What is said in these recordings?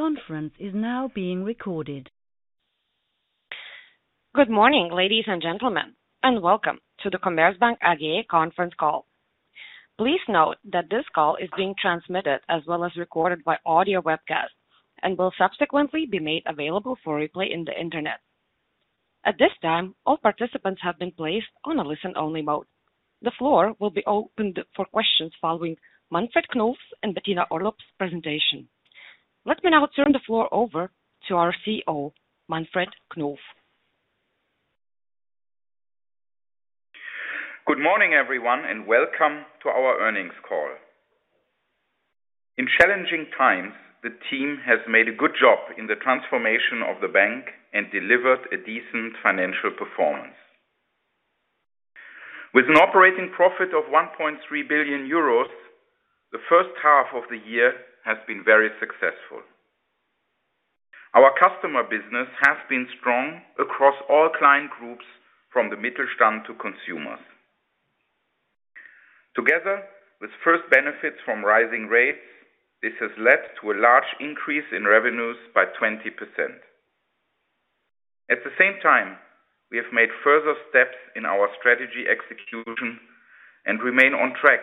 Good morning, ladies and gentlemen, and welcome to the Commerzbank AG conference call. Please note that this call is being transmitted as well as recorded by audio webcast and will subsequently be made available for replay on the Internet. At this time, all participants have been placed on a listen-only mode. The floor will be opened for questions following Manfred Knof and Bettina Orlopp's presentation. Let me now turn the floor over to our CEO, Manfred Knof. Good morning, everyone, and welcome to our earnings call. In challenging times, the team has made a good job in the transformation of the bank and delivered a decent financial performance. With an operating profit of 1.3 billion euros, the first half of the year has been very successful. Our customer business has been strong across all client groups from the Mittelstand to consumers. Together with first benefits from rising rates, this has led to a large increase in revenues by 20%. At the same time, we have made further steps in our strategy execution and remain on track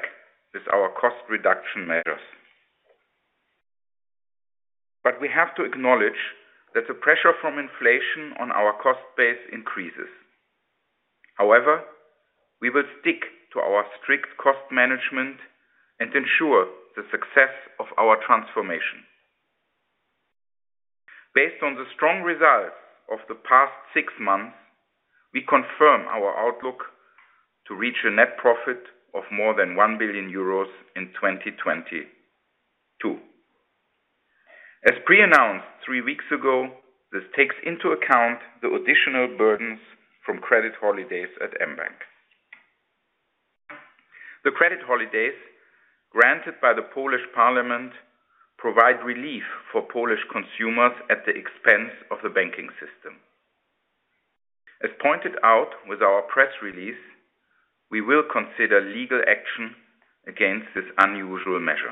with our cost reduction measures. We have to acknowledge that the pressure from inflation on our cost base increases. We will stick to our strict cost management and ensure the success of our transformation. Based on the strong results of the past six months, we confirm our outlook to reach a net profit of more than 1 billion euros in 2022. As pre-announced three weeks ago, this takes into account the additional burdens from credit holidays at mBank. The credit holidays granted by the Polish parliament provide relief for Polish consumers at the expense of the banking system. As pointed out with our press release, we will consider legal action against this unusual measure.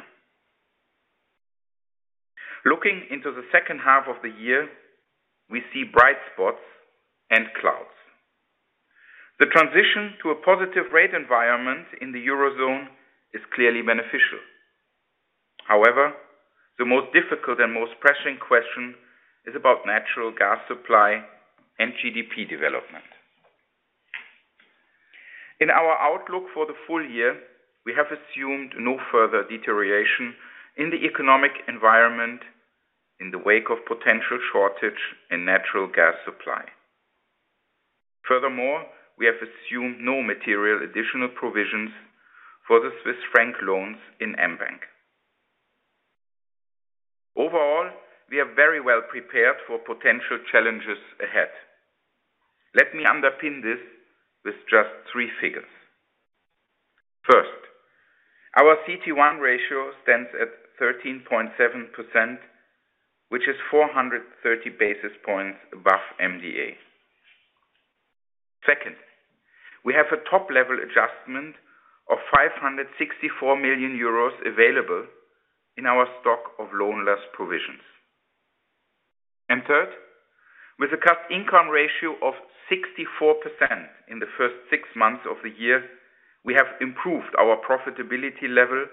Looking into the second half of the year, we see bright spots and clouds. The transition to a positive rate environment in the Eurozone is clearly beneficial. However, the most difficult and most pressing question is about natural gas supply and GDP development. In our outlook for the full year, we have assumed no further deterioration in the economic environment in the wake of potential shortage in natural gas supply. Furthermore, we have assumed no material additional provisions for the Swiss franc loans in mBank. Overall, we are very well prepared for potential challenges ahead. Let me underpin this with just three figures. First, our CET1 ratio stands at 13.7%, which is 430 basis points above MDA. Second, we have a top-level adjustment of 564 million euros available in our stock of loan loss provisions. Third, with a cost-income ratio of 64% in the first six months of the year, we have improved our profitability level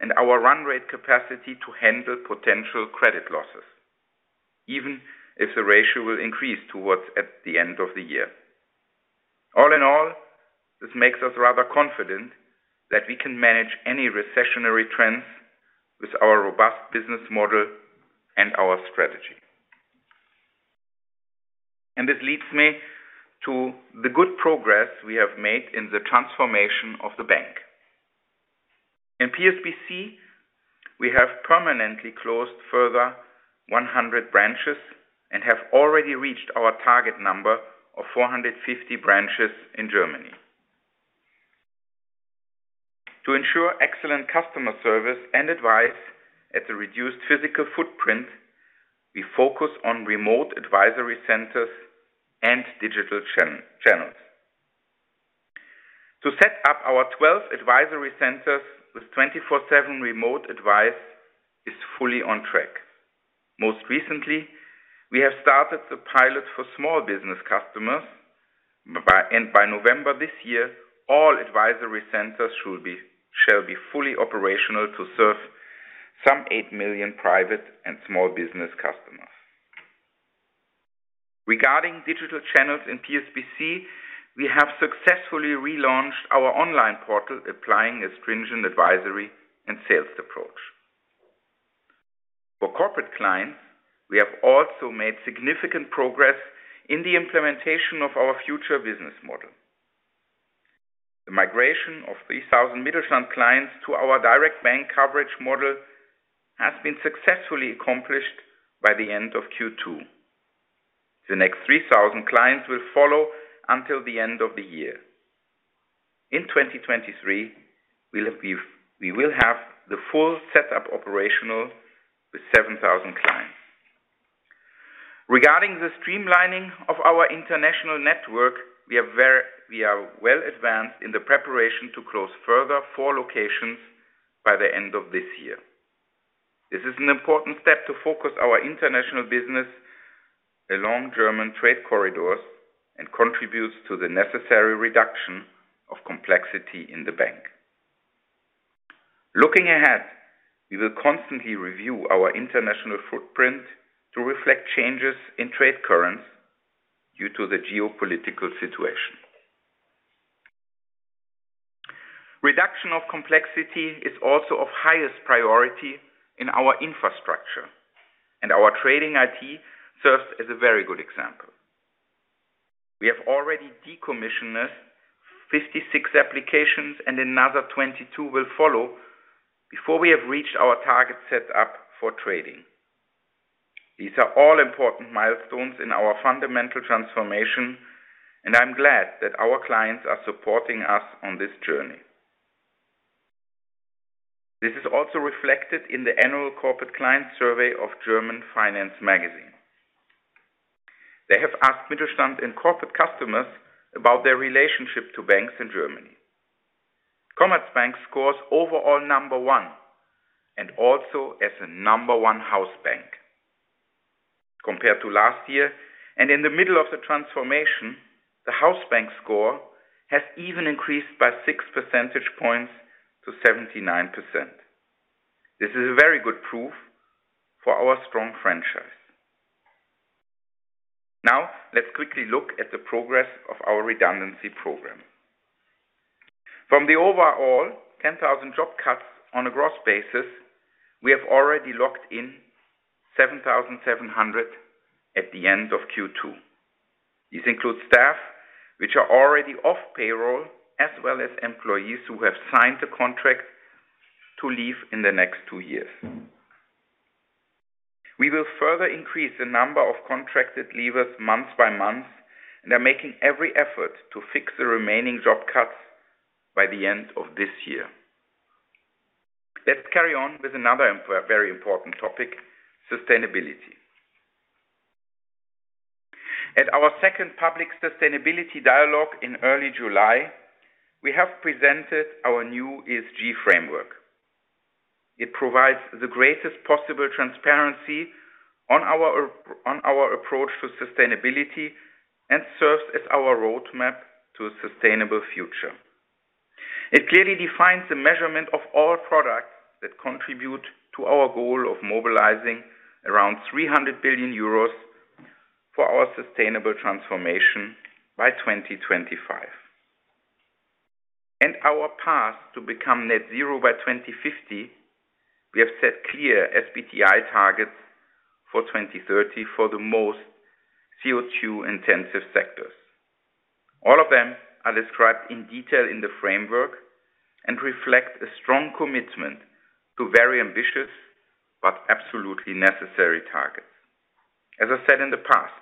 and our run rate capacity to handle potential credit losses, even if the ratio will increase toward the end of the year. All in all, this makes us rather confident that we can manage any recessionary trends with our robust business model and our strategy. This leads me to the good progress we have made in the transformation of the bank. In PSBC, we have permanently closed further 100 branches and have already reached our target number of 450 branches in Germany. To ensure excellent customer service and advice at the reduced physical footprint, we focus on remote advisory centers and digital channels. To set up our 12 advisory centers with 24/7 remote advice is fully on track. Most recently, we have started the pilot for small business customers and by November this year, all advisory centers shall be fully operational to serve some 8 million Private and Small-Business Customers. Regarding digital channels in PSBC, we have successfully relaunched our online portal applying a stringent advisory and sales approach. For corporate clients, we have also made significant progress in the implementation of our future business model. The migration of 3,000 Mittelstand clients to our direct bank coverage model has been successfully accomplished by the end of Q2. The next 3,000 clients will follow until the end of the year. In 2023, we will have the full setup operational with 7,000 clients. Regarding the streamlining of our international network, we are well advanced in the preparation to close further 4 locations by the end of this year. This is an important step to focus our international business along German trade corridors and contributes to the necessary reduction of complexity in the bank. Looking ahead, we will constantly review our international footprint to reflect changes in trade currents due to the geopolitical situation. Reduction of complexity is also of highest priority in our infrastructure, and our trading IT serves as a very good example. We have already decommissioned 56 applications and another 22 will follow before we have reached our target set up for trading. These are all important milestones in our fundamental transformation, and I'm glad that our clients are supporting us on this journey. This is also reflected in the annual corporate client survey of German FINANCE Magazine. They have asked Mittelstand and corporate customers about their relationship to banks in Germany. Commerzbank scores overall number one and also as a number one house bank. Compared to last year and in the middle of the transformation, the house bank score has even increased by 6 percentage points to 79%. This is a very good proof for our strong franchise. Now let's quickly look at the progress of our redundancy program. From the overall 10,000 job cuts on a gross basis, we have already locked in 7,700 at the end of Q2. These include staff which are already off payroll, as well as employees who have signed the contract to leave in the next two years. We will further increase the number of contracted leavers month by month and are making every effort to fix the remaining job cuts by the end of this year. Let's carry on with another very important topic, sustainability. At our second public sustainability dialogue in early July, we have presented our new ESG framework. It provides the greatest possible transparency on our approach to sustainability and serves as our roadmap to a sustainable future. It clearly defines the measurement of all products that contribute to our goal of mobilizing around 300 billion euros for our sustainable transformation by 2025. Our path to become net zero by 2050, we have set clear SBTi targets for 2030 for the most CO2 intensive sectors. All of them are described in detail in the framework and reflect a strong commitment to very ambitious but absolutely necessary targets. As I said in the past,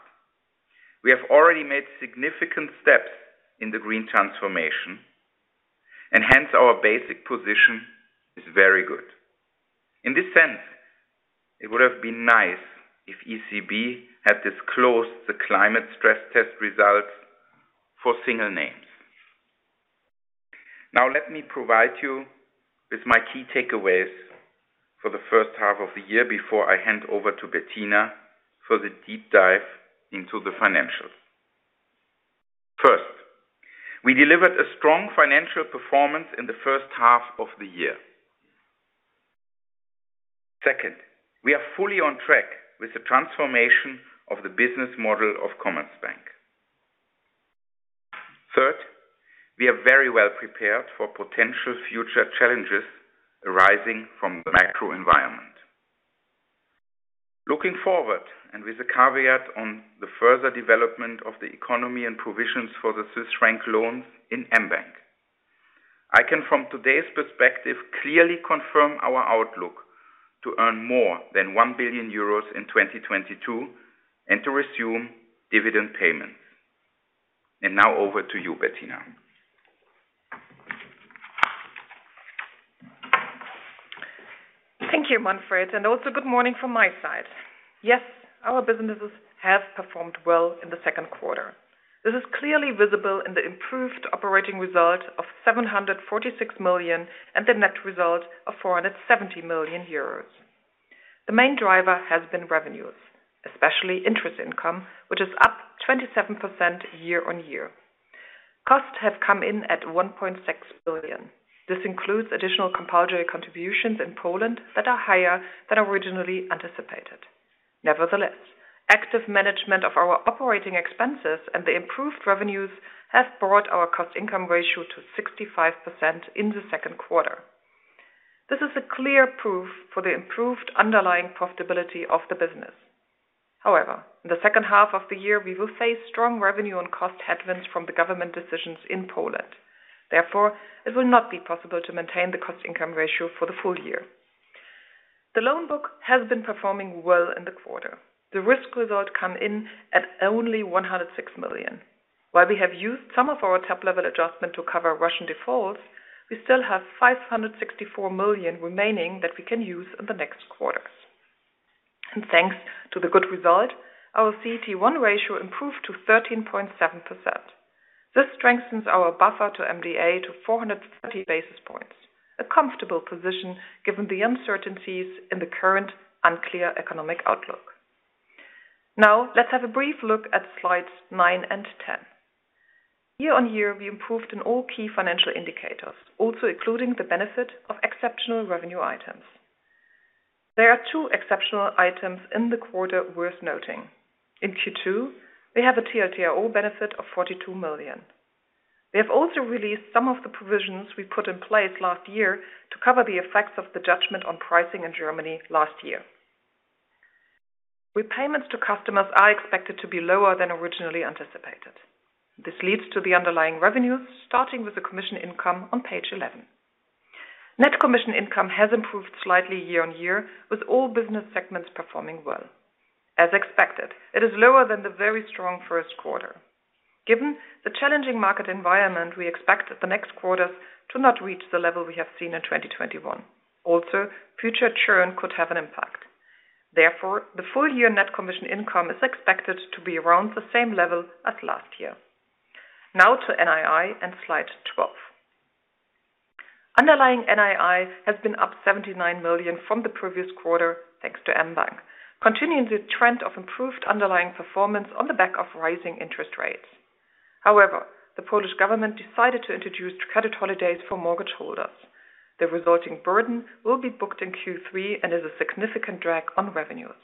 we have already made significant steps in the green transformation, and hence our basic position is very good. In this sense, it would have been nice if ECB had disclosed the climate stress test results for single names. Now, let me provide you with my key takeaways for the first half of the year before I hand over to Bettina for the deep dive into the financials. First, we delivered a strong financial performance in the first half of the year. Second, we are fully on track with the transformation of the business model of Commerzbank. Third, we are very well prepared for potential future challenges arising from the macro environment. Looking forward and with the caveat on the further development of the economy and provisions for the Swiss franc loans in mBank, I can, from today's perspective, clearly confirm our outlook to earn more than 1 billion euros in 2022 and to resume dividend payments. Now over to you, Bettina. Thank you, Manfred, and also good morning from my side. Yes, our businesses have performed well in the second quarter. This is clearly visible in the improved operating result of 746 million and the net result of 470 million euros. The main driver has been revenues, especially interest income, which is up 27% year-over-year. Costs have come in at 1.6 billion. This includes additional compulsory contributions in Poland that are higher than originally anticipated. Nevertheless, active management of our operating expenses and the improved revenues have brought our cost-income ratio to 65% in the second quarter. This is a clear proof for the improved underlying profitability of the business. However, in the second half of the year, we will face strong revenue and cost headwinds from the government decisions in Poland. Therefore, it will not be possible to maintain the cost-income ratio for the full year. The loan book has been performing well in the quarter. The risk result come in at only 106 million. While we have used some of our top-level adjustment to cover Russian defaults, we still have 564 million remaining that we can use in the next quarters. Thanks to the good result, our CET1 ratio improved to 13.7%. This strengthens our buffer to MDA to 430 basis points, a comfortable position given the uncertainties in the current unclear economic outlook. Now let's have a brief look at slides 9 and 10. Year-on-year, we improved in all key financial indicators, also including the benefit of exceptional revenue items. There are two exceptional items in the quarter worth noting. In Q2, we have a TLTRO benefit of 42 million. We have also released some of the provisions we put in place last year to cover the effects of the judgment on pricing in Germany last year. Repayments to customers are expected to be lower than originally anticipated. This leads to the underlying revenues, starting with the commission income on page 11. Net commission income has improved slightly year-on-year, with all business segments performing well. As expected, it is lower than the very strong first quarter. Given the challenging market environment, we expect the next quarters to not reach the level we have seen in 2021. Also, future churn could have an impact. Therefore, the full year net commission income is expected to be around the same level as last year. Now to NII in slide 12. Underlying NII has been up 79 million from the previous quarter, thanks to mBank, continuing the trend of improved underlying performance on the back of rising interest rates. However, the Polish government decided to introduce credit holidays for mortgage holders. The resulting burden will be booked in Q3 and is a significant drag on revenues.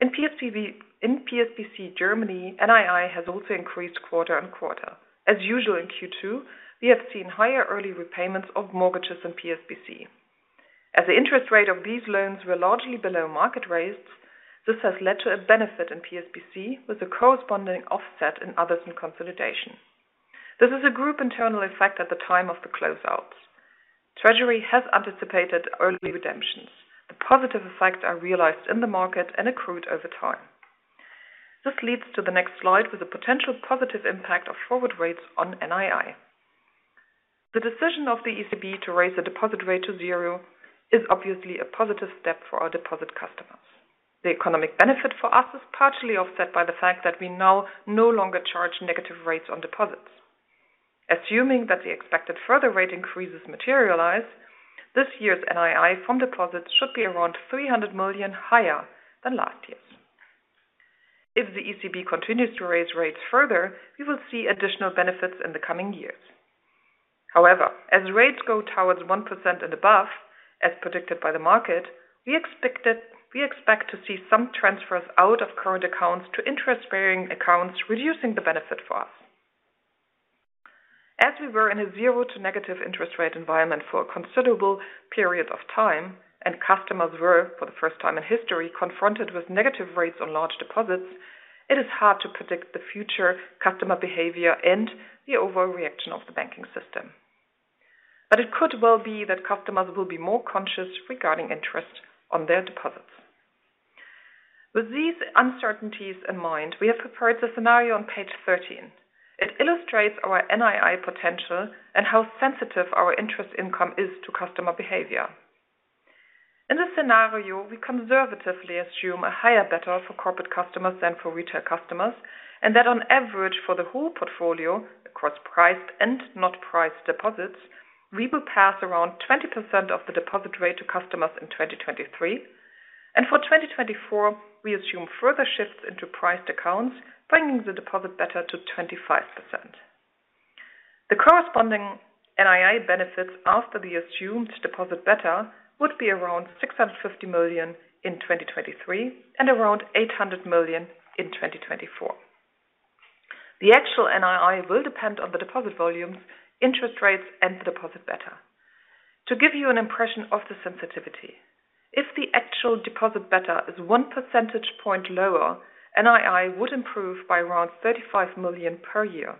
In PSBC Germany, NII has also increased quarter on quarter. As usual in Q2, we have seen higher early repayments of mortgages in PSBC. As the interest rate of these loans were largely below market rates, this has led to a benefit in PSBC with a corresponding offset in others in consolidation. This is a group internal effect at the time of the closeout. Treasury has anticipated early redemptions. The positive effects are realized in the market and accrued over time. This leads to the next slide with the potential positive impact of forward rates on NII. The decision of the ECB to raise the deposit rate to zero is obviously a positive step for our deposit customers. The economic benefit for us is partially offset by the fact that we now no longer charge negative rates on deposits. Assuming that the expected further rate increases materialize, this year's NII from deposits should be around 300 million higher than last year's. If the ECB continues to raise rates further, we will see additional benefits in the coming years. However, as rates go towards 1% and above, as predicted by the market, we expect to see some transfers out of current accounts to interest-bearing accounts, reducing the benefit for us. As we were in a zero to negative interest rate environment for a considerable period of time, and customers were, for the first time in history, confronted with negative rates on large deposits, it is hard to predict the future customer behavior and the overall reaction of the banking system. It could well be that customers will be more conscious regarding interest on their deposits. With these uncertainties in mind, we have prepared the scenario on page 13. It illustrates our NII potential and how sensitive our interest income is to customer behavior. In this scenario, we conservatively assume a higher beta for corporate customers than for retail customers, and that on average for the whole portfolio across priced and not priced deposits, we will pass around 20% of the deposit rate to customers in 2023. For 2024, we assume further shifts into priced accounts, bringing the deposit beta to 25%. The corresponding NII benefits after the assumed deposit beta would be around 650 million in 2023 and around 800 million in 2024. The actual NII will depend on the deposit volumes, interest rates, and the deposit beta. To give you an impression of the sensitivity, if the actual deposit beta is 1 percentage point lower, NII would improve by around 35 million per year.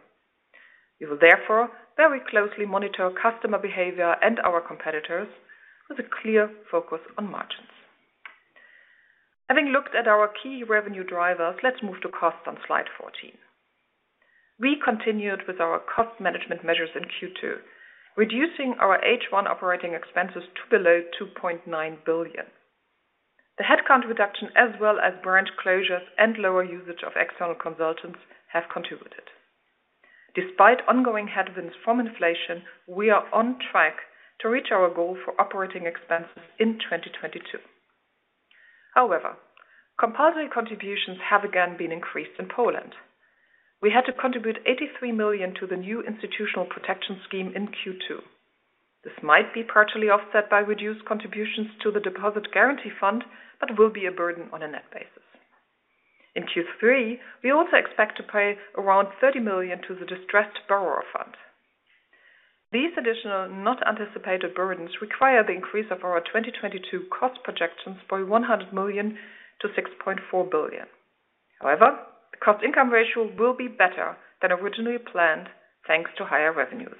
We will therefore very closely monitor customer behavior and our competitors with a clear focus on margins. Having looked at our key revenue drivers, let's move to cost on slide 14. We continued with our cost management measures in Q2, reducing our H1 operating expenses to below 2.9 billion. The headcount reduction as well as branch closures and lower usage of external consultants have contributed. Despite ongoing headwinds from inflation, we are on track to reach our goal for operating expenses in 2022. However, compulsory contributions have again been increased in Poland. We had to contribute 83 million to the new institutional protection scheme in Q2. This might be partially offset by reduced contributions to the Deposit Guarantee Fund, but will be a burden on a net basis. In Q3, we also expect to pay around 30 million to the Distressed Borrower Fund. These additional not anticipated burdens require the increase of our 2022 cost projections by 100 million-6.4 billion. However, the cost-income ratio will be better than originally planned, thanks to higher revenues.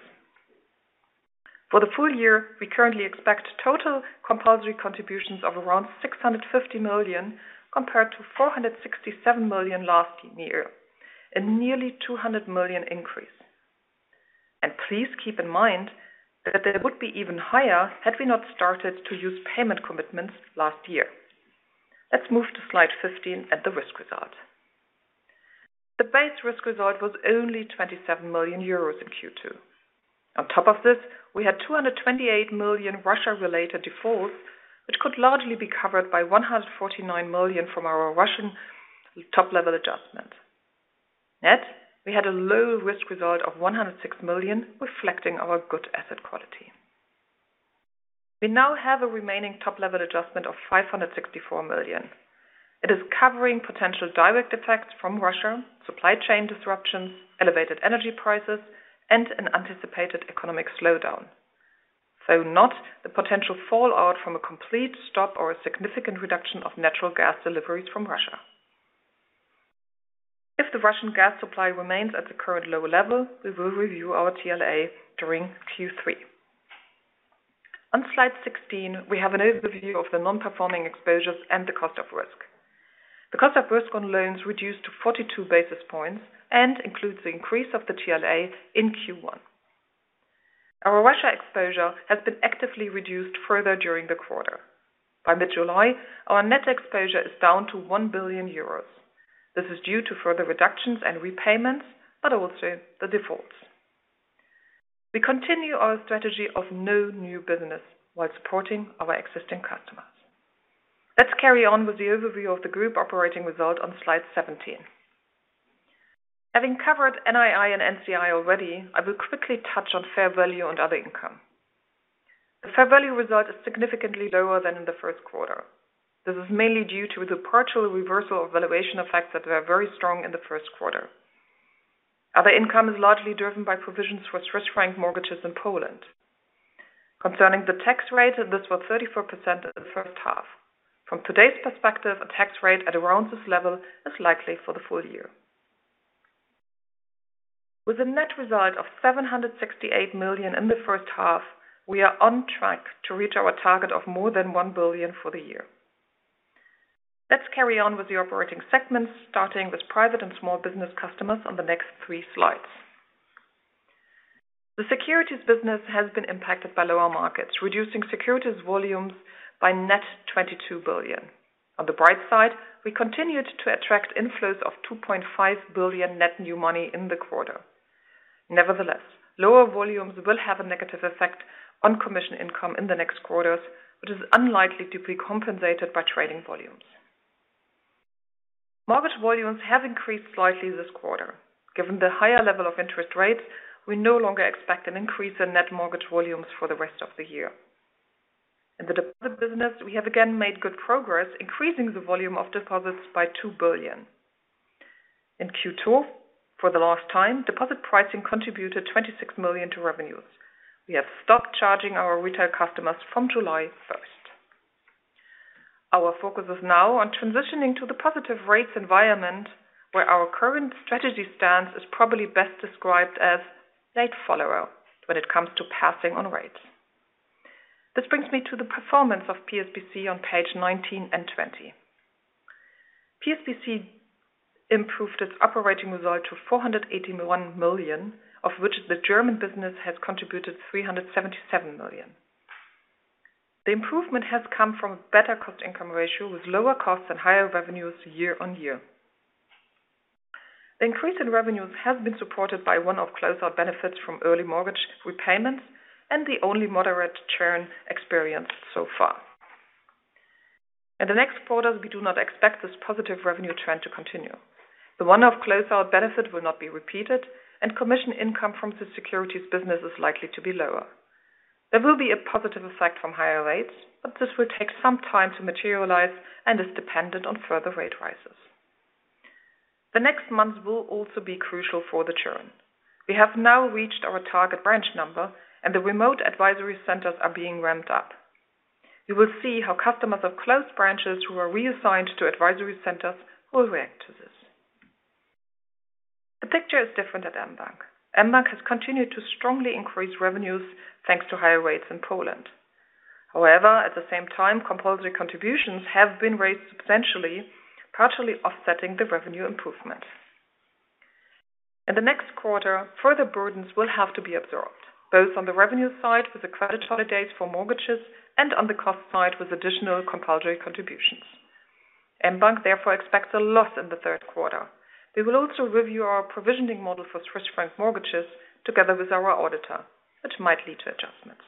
For the full year, we currently expect total compulsory contributions of around 650 million compared to 467 million last year, a nearly 200 million increase. Please keep in mind that they would be even higher had we not started to use payment commitments last year. Let's move to slide 15 at the risk result. The base risk result was only 27 million euros in Q2. On top of this, we had 228 million Russia-related defaults, which could largely be covered by 149 million from our Russian top-level adjustment. Net, we had a low risk result of 106 million, reflecting our good asset quality. We now have a remaining top-level adjustment of 564 million. It is covering potential direct effects from Russia, supply chain disruptions, elevated energy prices, and an anticipated economic slowdown. Though not the potential fallout from a complete stop or a significant reduction of natural gas deliveries from Russia. If the Russian gas supply remains at the current low level, we will review our TLA during Q3. On slide 16, we have an overview of the non-performing exposures and the cost of risk. The cost of risk on loans reduced to 42 basis points and includes the increase of the TLA in Q1. Our Russia exposure has been actively reduced further during the quarter. By mid-July, our net exposure is down to 1 billion euros. This is due to further reductions and repayments, but also the defaults. We continue our strategy of no new business while supporting our existing customers. Let's carry on with the overview of the group operating result on slide 17. Having covered NII and NCI already, I will quickly touch on fair value and other income. The fair value result is significantly lower than in the first quarter. This is mainly due to the partial reversal of valuation effects that were very strong in the first quarter. Other income is largely driven by provisions for Swiss franc mortgages in Poland. Concerning the tax rate, this was 34% in the first half. From today's perspective, a tax rate at around this level is likely for the full year. With a net result of 768 million in the first half, we are on track to reach our target of more than 1 billion for the year. Let's carry on with the operating segments, starting with Private and Small-Business Customers on the next three slides. The securities business has been impacted by lower markets, reducing securities volumes by net 22 billion. On the bright side, we continued to attract inflows of 2.5 billion net new money in the quarter. Nevertheless, lower volumes will have a negative effect on commission income in the next quarters, which is unlikely to be compensated by trading volumes. Mortgage volumes have increased slightly this quarter. Given the higher level of interest rates, we no longer expect an increase in net mortgage volumes for the rest of the year. In the deposit business, we have again made good progress increasing the volume of deposits by 2 billion. In Q2, for the last time, deposit pricing contributed 26 million to revenues. We have stopped charging our retail customers from July 1st. Our focus is now on transitioning to the positive rates environment where our current strategy stance is probably best described as late follower when it comes to passing on rates. This brings me to the performance of PSBC on page 19 and 20. PSBC improved its operating result to 481 million, of which the German business has contributed 377 million. The improvement has come from a better cost-income ratio with lower costs and higher revenues year-over-year. The increase in revenues has been supported by one-off closeout benefits from early mortgage repayments and the only moderate churn experienced so far. In the next quarter, we do not expect this positive revenue trend to continue. The one-off closeout benefit will not be repeated, and commission income from the securities business is likely to be lower. There will be a positive effect from higher rates, but this will take some time to materialize and is dependent on further rate rises. The next months will also be crucial for the churn. We have now reached our target branch number and the remote advisory centers are being ramped up. We will see how customers of closed branches who are reassigned to advisory centers will react to this. The picture is different at mBank. mBank has continued to strongly increase revenues thanks to higher rates in Poland. However, at the same time, compulsory contributions have been raised substantially, partially offsetting the revenue improvement. In the next quarter, further burdens will have to be absorbed, both on the revenue side with the credit holidays for mortgages and on the cost side with additional compulsory contributions. mBank therefore expects a loss in the third quarter. We will also review our provisioning model for Swiss franc mortgages together with our auditor, which might lead to adjustments.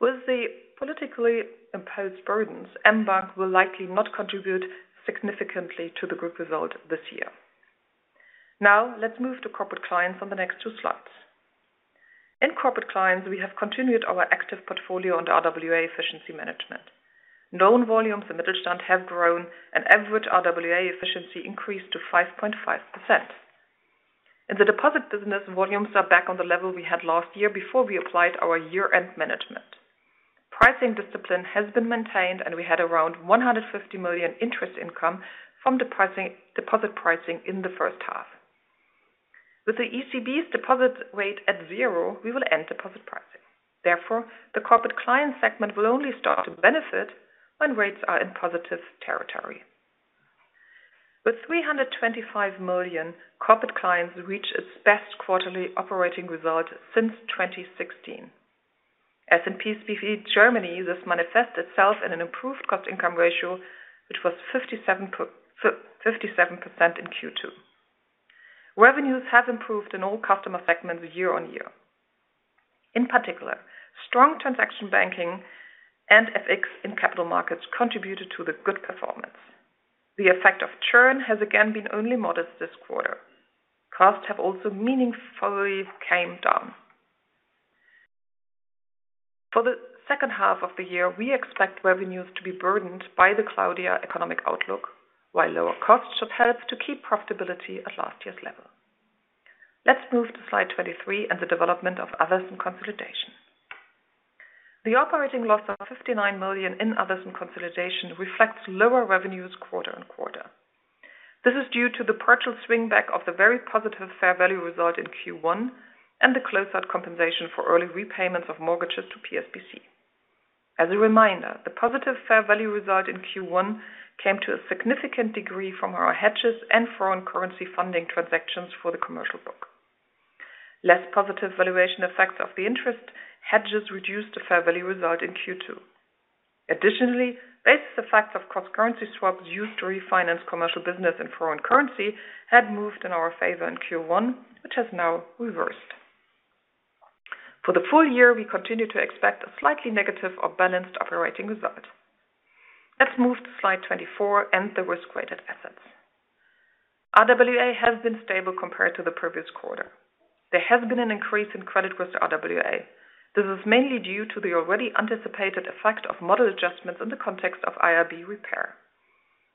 With the politically imposed burdens, mBank will likely not contribute significantly to the group result this year. Now let's move to Corporate Clients on the next two slides. In Corporate Clients, we have continued our active portfolio on RWA efficiency management. Loan volumes in Mittelstand have grown and average RWA efficiency increased to 5.5%. In the deposit business, volumes are back on the level we had last year before we applied our year-end management. Pricing discipline has been maintained and we had around 150 million interest income from the pricing, deposit pricing in the first half. With the ECB's deposit rate at zero, we will end deposit pricing. Therefore, the Corporate Clients segment will only start to benefit when rates are in positive territory. With 325 million Corporate Clients reach its best quarterly operating result since 2016. S&P's BICRA Germany, this manifests itself in an improved cost-income ratio, which was 57% in Q2. Revenues have improved in all customer segments year-on-year. In particular, strong transaction banking and FX in capital markets contributed to the good performance. The effect of churn has again been only modest this quarter. Costs have also meaningfully came down. For the second half of the year, we expect revenues to be burdened by the cloudier economic outlook, while lower costs should help to keep profitability at last year's level. Let's move to slide 23 and the development of others in consolidation. The operating loss of 59 million in others in consolidation reflects lower revenues quarter-on-quarter. This is due to the partial swing back of the very positive fair value result in Q1 and the close out compensation for early repayments of mortgages to PSBC. As a reminder, the positive fair value result in Q1 came to a significant degree from our hedges and foreign currency funding transactions for the commercial book. Less positive valuation effects of the interest hedges reduced the fair value result in Q2. Additionally, base effects of cross-currency swaps used to refinance commercial business and foreign currency had moved in our favor in Q1, which has now reversed. For the full year, we continue to expect a slightly negative or balanced operating result. Let's move to slide 24 and the risk-weighted assets. RWA has been stable compared to the previous quarter. There has been an increase in credit risk RWA. This is mainly due to the already anticipated effect of model adjustments in the context of IRB repair.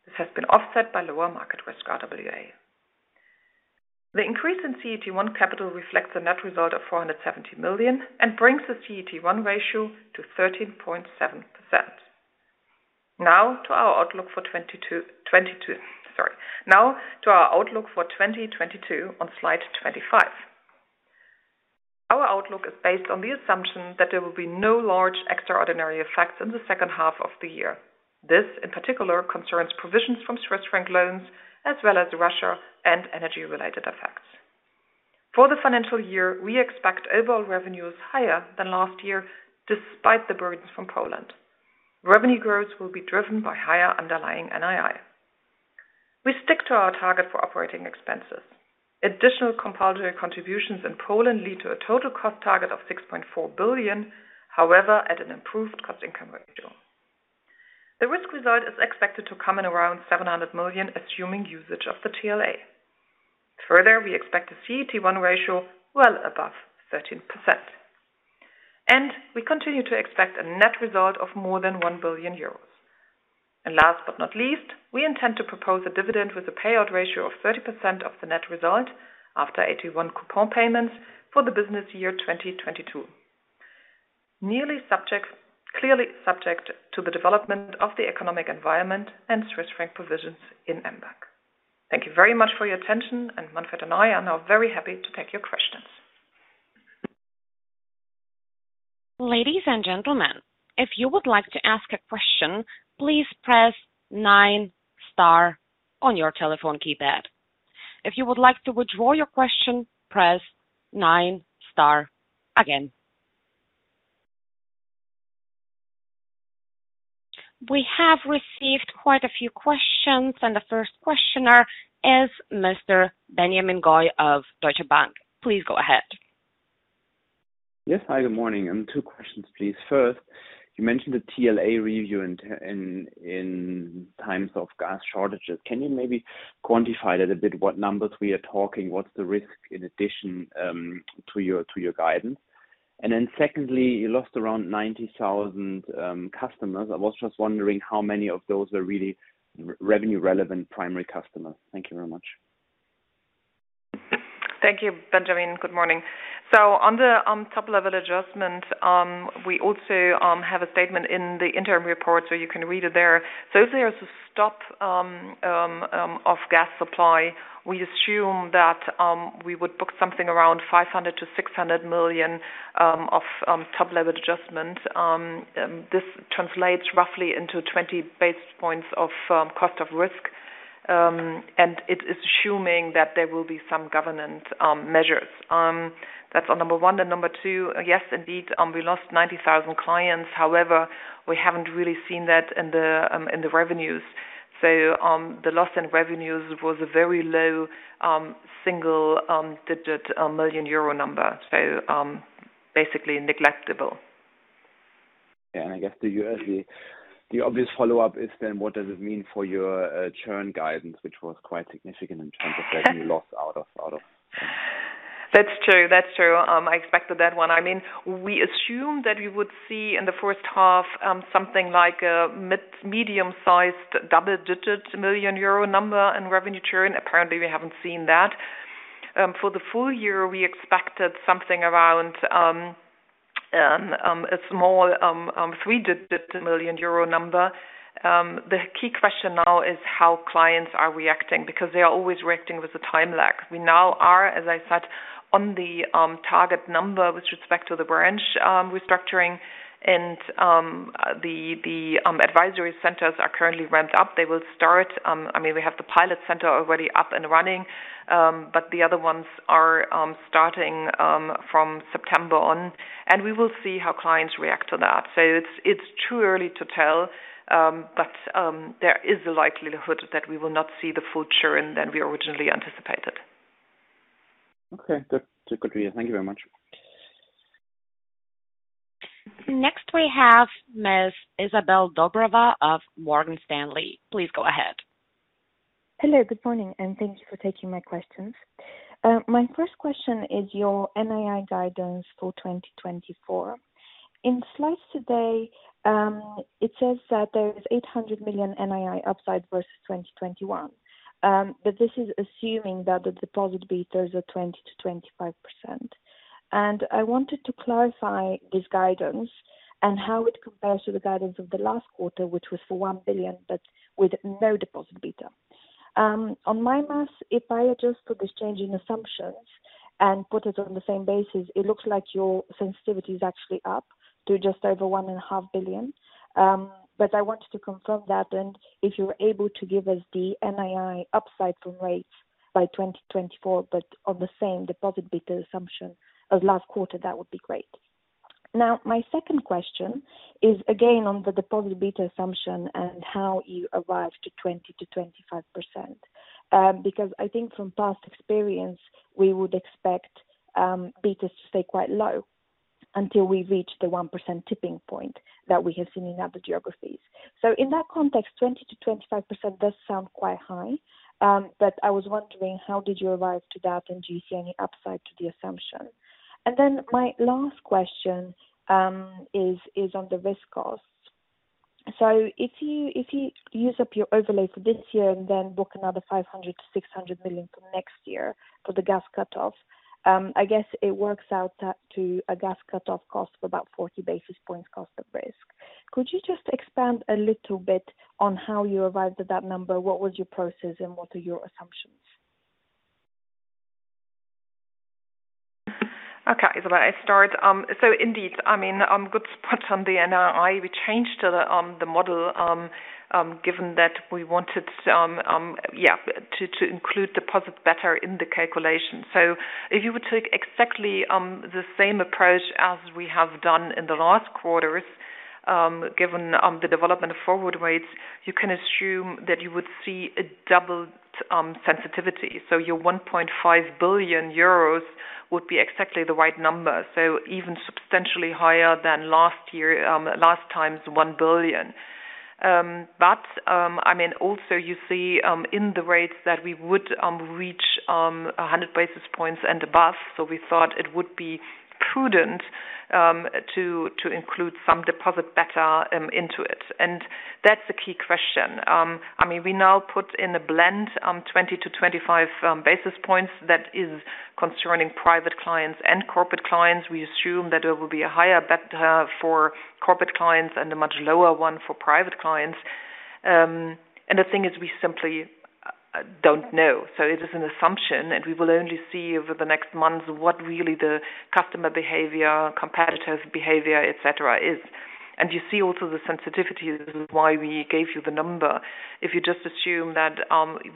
This has been offset by lower market risk RWA. The increase in CET1 capital reflects a net result of 470 million and brings the CET1 ratio to 13.7%. Now to our outlook for 2022 on slide 25. Our outlook is based on the assumption that there will be no large extraordinary effects in the second half of the year. This, in particular, concerns provisions from Swiss franc loans as well as Russia and energy-related effects. For the financial year, we expect overall revenues higher than last year despite the burdens from Poland. Revenue growth will be driven by higher underlying NII. We stick to our target for operating expenses. Additional compulsory contributions in Poland lead to a total cost target of 6.4 billion, however, at an improved cost-income ratio. The risk result is expected to come in around 700 million, assuming usage of the TLA. Further, we expect a CET1 ratio well above 13%. We continue to expect a net result of more than 1 billion euros. Last but not least, we intend to propose a dividend with a payout ratio of 30% of the net result after AT1 coupon payments for the business year 2022. Clearly subject to the development of the economic environment and Swiss franc provisions in mBank. Thank you very much for your attention, and Manfred and I are now very happy to take your questions. Ladies and gentlemen, if you would like to ask a question, please press nine star on your telephone keypad. If you would like to withdraw your question, press nine star again. We have received quite a few questions and the first questioner is Mr. Benjamin Goy of Deutsche Bank. Please go ahead. Yes. Hi, good morning. Two questions, please. First, you mentioned the TLA review in times of gas shortages. Can you maybe quantify that a bit? What numbers we are talking, what's the risk in addition to your guidance? Then secondly, you lost around 90,000 customers. I was just wondering how many of those are really revenue relevant primary customers. Thank you very much. Thank you, Benjamin. Good morning. On the top-level adjustment, we also have a statement in the interim report, so you can read it there. If there is a stop of gas supply, we assume that we would book something around 500 million-600 million of top-level adjustment. This translates roughly into 20 basis points of cost of risk. It is assuming that there will be some government measures. That's on number one and number two. Yes, indeed, we lost 90,000 clients. However, we haven't really seen that in the revenues. The loss in revenues was a very low single-digit million euro number. Basically negligible. I guess the U.S., the obvious follow-up is what does it mean for your churn guidance, which was quite significant in terms of that new loss out of. That's true. I expected that one. I mean, we assumed that we would see in the first half something like a medium-sized double-digit euro million number in revenue churn. Apparently, we haven't seen that. For the full year, we expected something around a small three-digit euro million number. The key question now is how clients are reacting because they are always reacting with the time lag. We now are, as I said, on the target number with respect to the branch restructuring and the advisory centers are currently ramped up. They will start. I mean, we have the pilot center already up and running, but the other ones are starting from September on, and we will see how clients react to that. It's too early to tell, but there is a likelihood that we will not see the full churn that we originally anticipated. Okay. That's a good view. Thank you very much. Next we have Ms. Izabel Dobreva of Morgan Stanley. Please go ahead. Hello, good morning, and thank you for taking my questions. My first question is your NII guidance for 2024. In slides today, it says that there is 800 million NII upside versus 2021. This is assuming that the deposit betas are 20%-25%. I wanted to clarify this guidance and how it compares to the guidance of the last quarter, which was for 1 billion, but with no deposit beta. On my math, if I adjust for this change in assumptions and put it on the same basis, it looks like your sensitivity is actually up to just over 1.5 billion. I wanted to confirm that and if you're able to give us the NII upside from rates by 2024, but on the same deposit beta assumption as last quarter, that would be great. Now, my second question is again on the deposit beta assumption and how you arrive to 20%-25%. Because I think from past experience, we would expect betas to stay quite low until we reach the 1% tipping point that we have seen in other geographies. In that context, 20%-25% does sound quite high, but I was wondering how did you arrive to that, and do you see any upside to the assumption? My last question is on the risk costs. If you use up your overlay for this year and then book another 500 million-600 million for next year for the gas cutoff, I guess it works out to a gas cutoff cost of about 40 basis points cost of risk. Could you just expand a little bit on how you arrived at that number? What was your process and what are your assumptions? Okay, Izabel, I start. Indeed, I mean, good spot on the NII. We changed the model given that we wanted to include deposit beta in the calculation. If you would take exactly the same approach as we have done in the last quarters given the development of forward rates, you can assume that you would see a doubled sensitivity. Your 1.5 billion euros would be exactly the right number. Even substantially higher than last year last time's 1 billion. I mean, also you see in the rates that we would reach 100 basis points and above. We thought it would be prudent to include some deposit beta into it. That's the key question. I mean, we now put in a blend, 20-25 basis points that is concerning Private Clients and Corporate Clients. We assume that there will be a higher beta for Corporate Clients and a much lower one for Private Clients. The thing is, we simply don't know. It is an assumption, and we will only see over the next months what really the customer behavior, competitive behavior, et cetera, is. You see also the sensitivity. This is why we gave you the number. If you just assume that,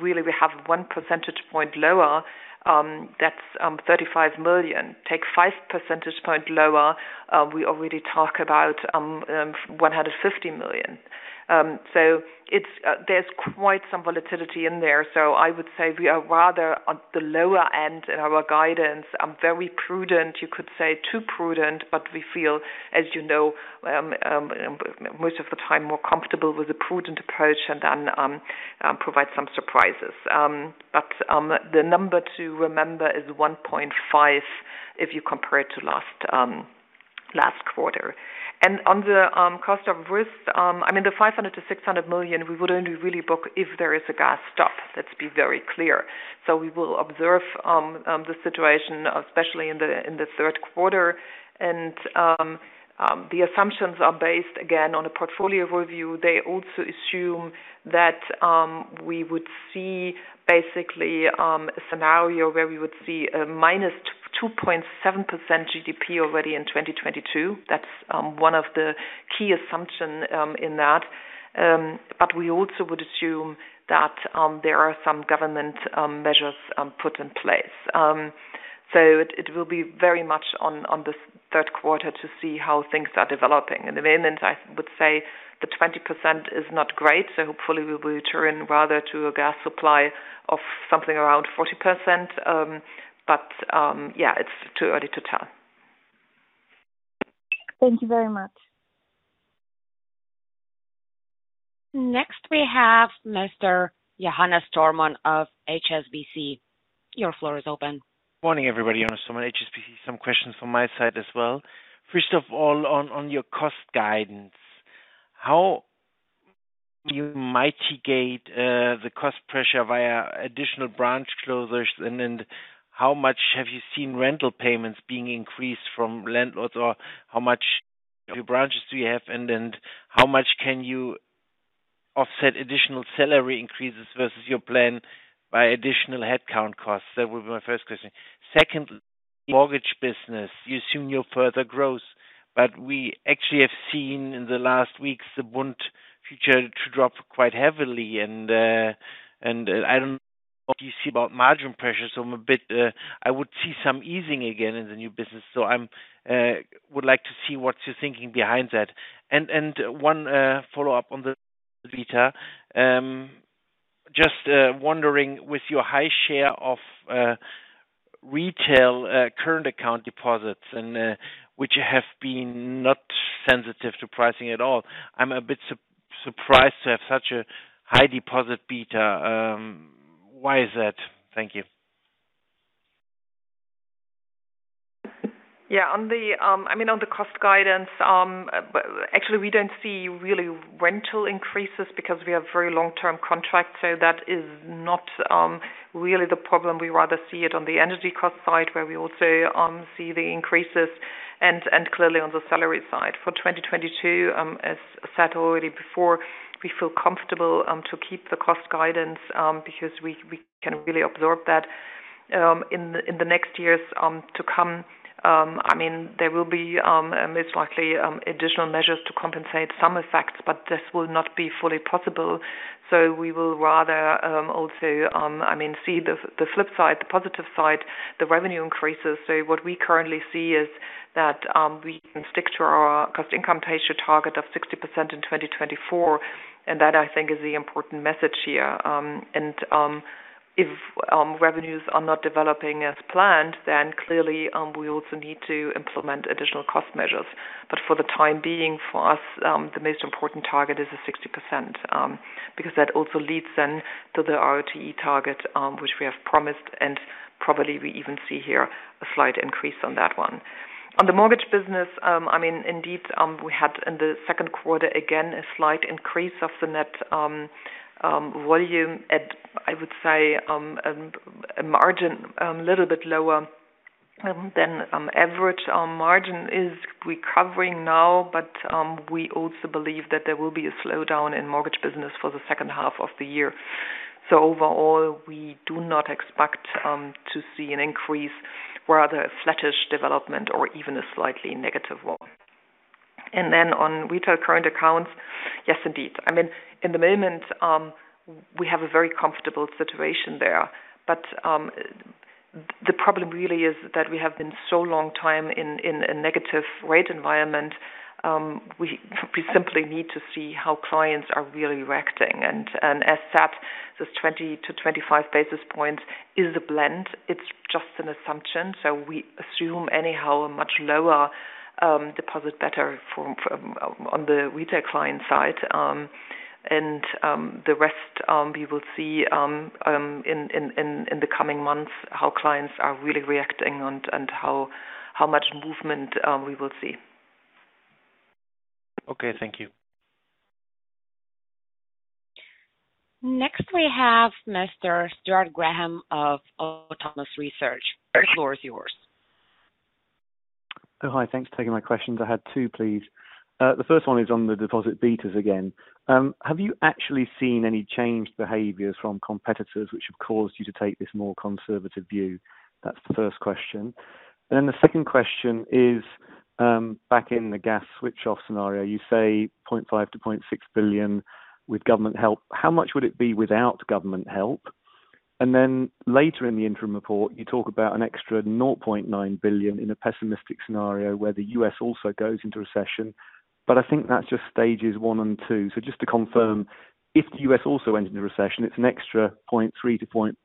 really we have 1 percentage point lower, that's 35 million. Take 5 percentage point lower, we already talk about 150 million. It's, there's quite some volatility in there. I would say we are rather on the lower end in our guidance, very prudent, you could say too prudent, but we feel, as you know, most of the time more comfortable with a prudent approach and then provide some surprises. The number to remember is 1.5 if you compare it to last quarter. On the cost of risk, I mean, the 500 million-600 million, we would only really book if there is a gas stop. Let's be very clear. We will observe the situation, especially in the third quarter. The assumptions are based, again, on a portfolio review. They also assume that we would see basically a scenario where we would see a -2.7% GDP already in 2022. That's one of the key assumption in that. We also would assume that there are some government measures put in place. It will be very much on the third quarter to see how things are developing. In the meantime, I would say the 20% is not great, so hopefully we will turn rather to a gas supply of something around 40%. Yeah, it's too early to tell. Thank you very much. Next we have Mr. Johannes Thormann of HSBC. Your floor is open. Morning, everybody. Johannes, HSBC. Some questions from my side as well. First of all, on your cost guidance, how you mitigate the cost pressure via additional branch closures. Then how much have you seen rental payments being increased from landlords, or how many of your branches do you have and then how much can you offset additional salary increases versus your plan by additional headcount costs? That would be my first question. Second, mortgage business, you assume your further growth, but we actually have seen in the last weeks the bond future to drop quite heavily and I don't know what you see about margin pressures so I'm a bit I would see some easing again in the new business. So I would like to see what you're thinking behind that. One follow-up on the beta. Just wondering with your high share of retail current account deposits and which have been not sensitive to pricing at all, I'm a bit surprised to have such a high deposit beta. Why is that? Thank you. Yeah. On the, I mean, on the cost guidance, actually, we don't see really rental increases because we have very long-term contracts, so that is not really the problem. We rather see it on the energy cost side where we also see the increases and clearly on the salary side. For 2022, as said already before, we feel comfortable to keep the cost guidance because we can really absorb that. In the next years to come, I mean, there will be most likely additional measures to compensate some effects, but this will not be fully possible. We will rather also, I mean, see the flip side, the positive side, the revenue increases. What we currently see is that we can stick to our cost-income ratio target of 60% in 2024, and that I think is the important message here. If revenues are not developing as planned, then clearly we also need to implement additional cost measures. For the time being, for us, the most important target is the 60%, because that also leads then to the ROTE target, which we have promised, and probably we even see here a slight increase on that one. On the mortgage business, I mean, indeed, we had in the second quarter again a slight increase of the net volume at, I would say, a margin little bit lower than average. Margin is recovering now, but we also believe that there will be a slowdown in mortgage business for the second half of the year. Overall, we do not expect to see an increase, rather a flattish development or even a slightly negative one. On retail current accounts, yes, indeed. I mean, at the moment, we have a very comfortable situation there, but the problem really is that we have been such a long time in a negative rate environment, we simply need to see how clients are really reacting. As such, this 20-25 basis points is a blend. It's just an assumption. We assume anyhow a much lower deposit beta from the retail client side. The rest we will see in the coming months how clients are really reacting and how much movement we will see. Okay. Thank you. Next we have Mr. Stuart Graham of Autonomous Research. The floor is yours. Oh, hi. Thanks for taking my questions. I had two, please. The first one is on the deposit betas again. Have you actually seen any changed behaviors from competitors which have caused you to take this more conservative view? That's the first question. The second question is, back in the gas switch-off scenario, you say 0.5 billion-0.6 billion with government help. How much would it be without government help? Later in the interim report, you talk about an extra 0.9 billion in a pessimistic scenario where the U.S. also goes into recession. I think that's just stages one and two. Just to confirm, if the U.S. also enters into recession, it's an extra 0.3 billion-0.4 billion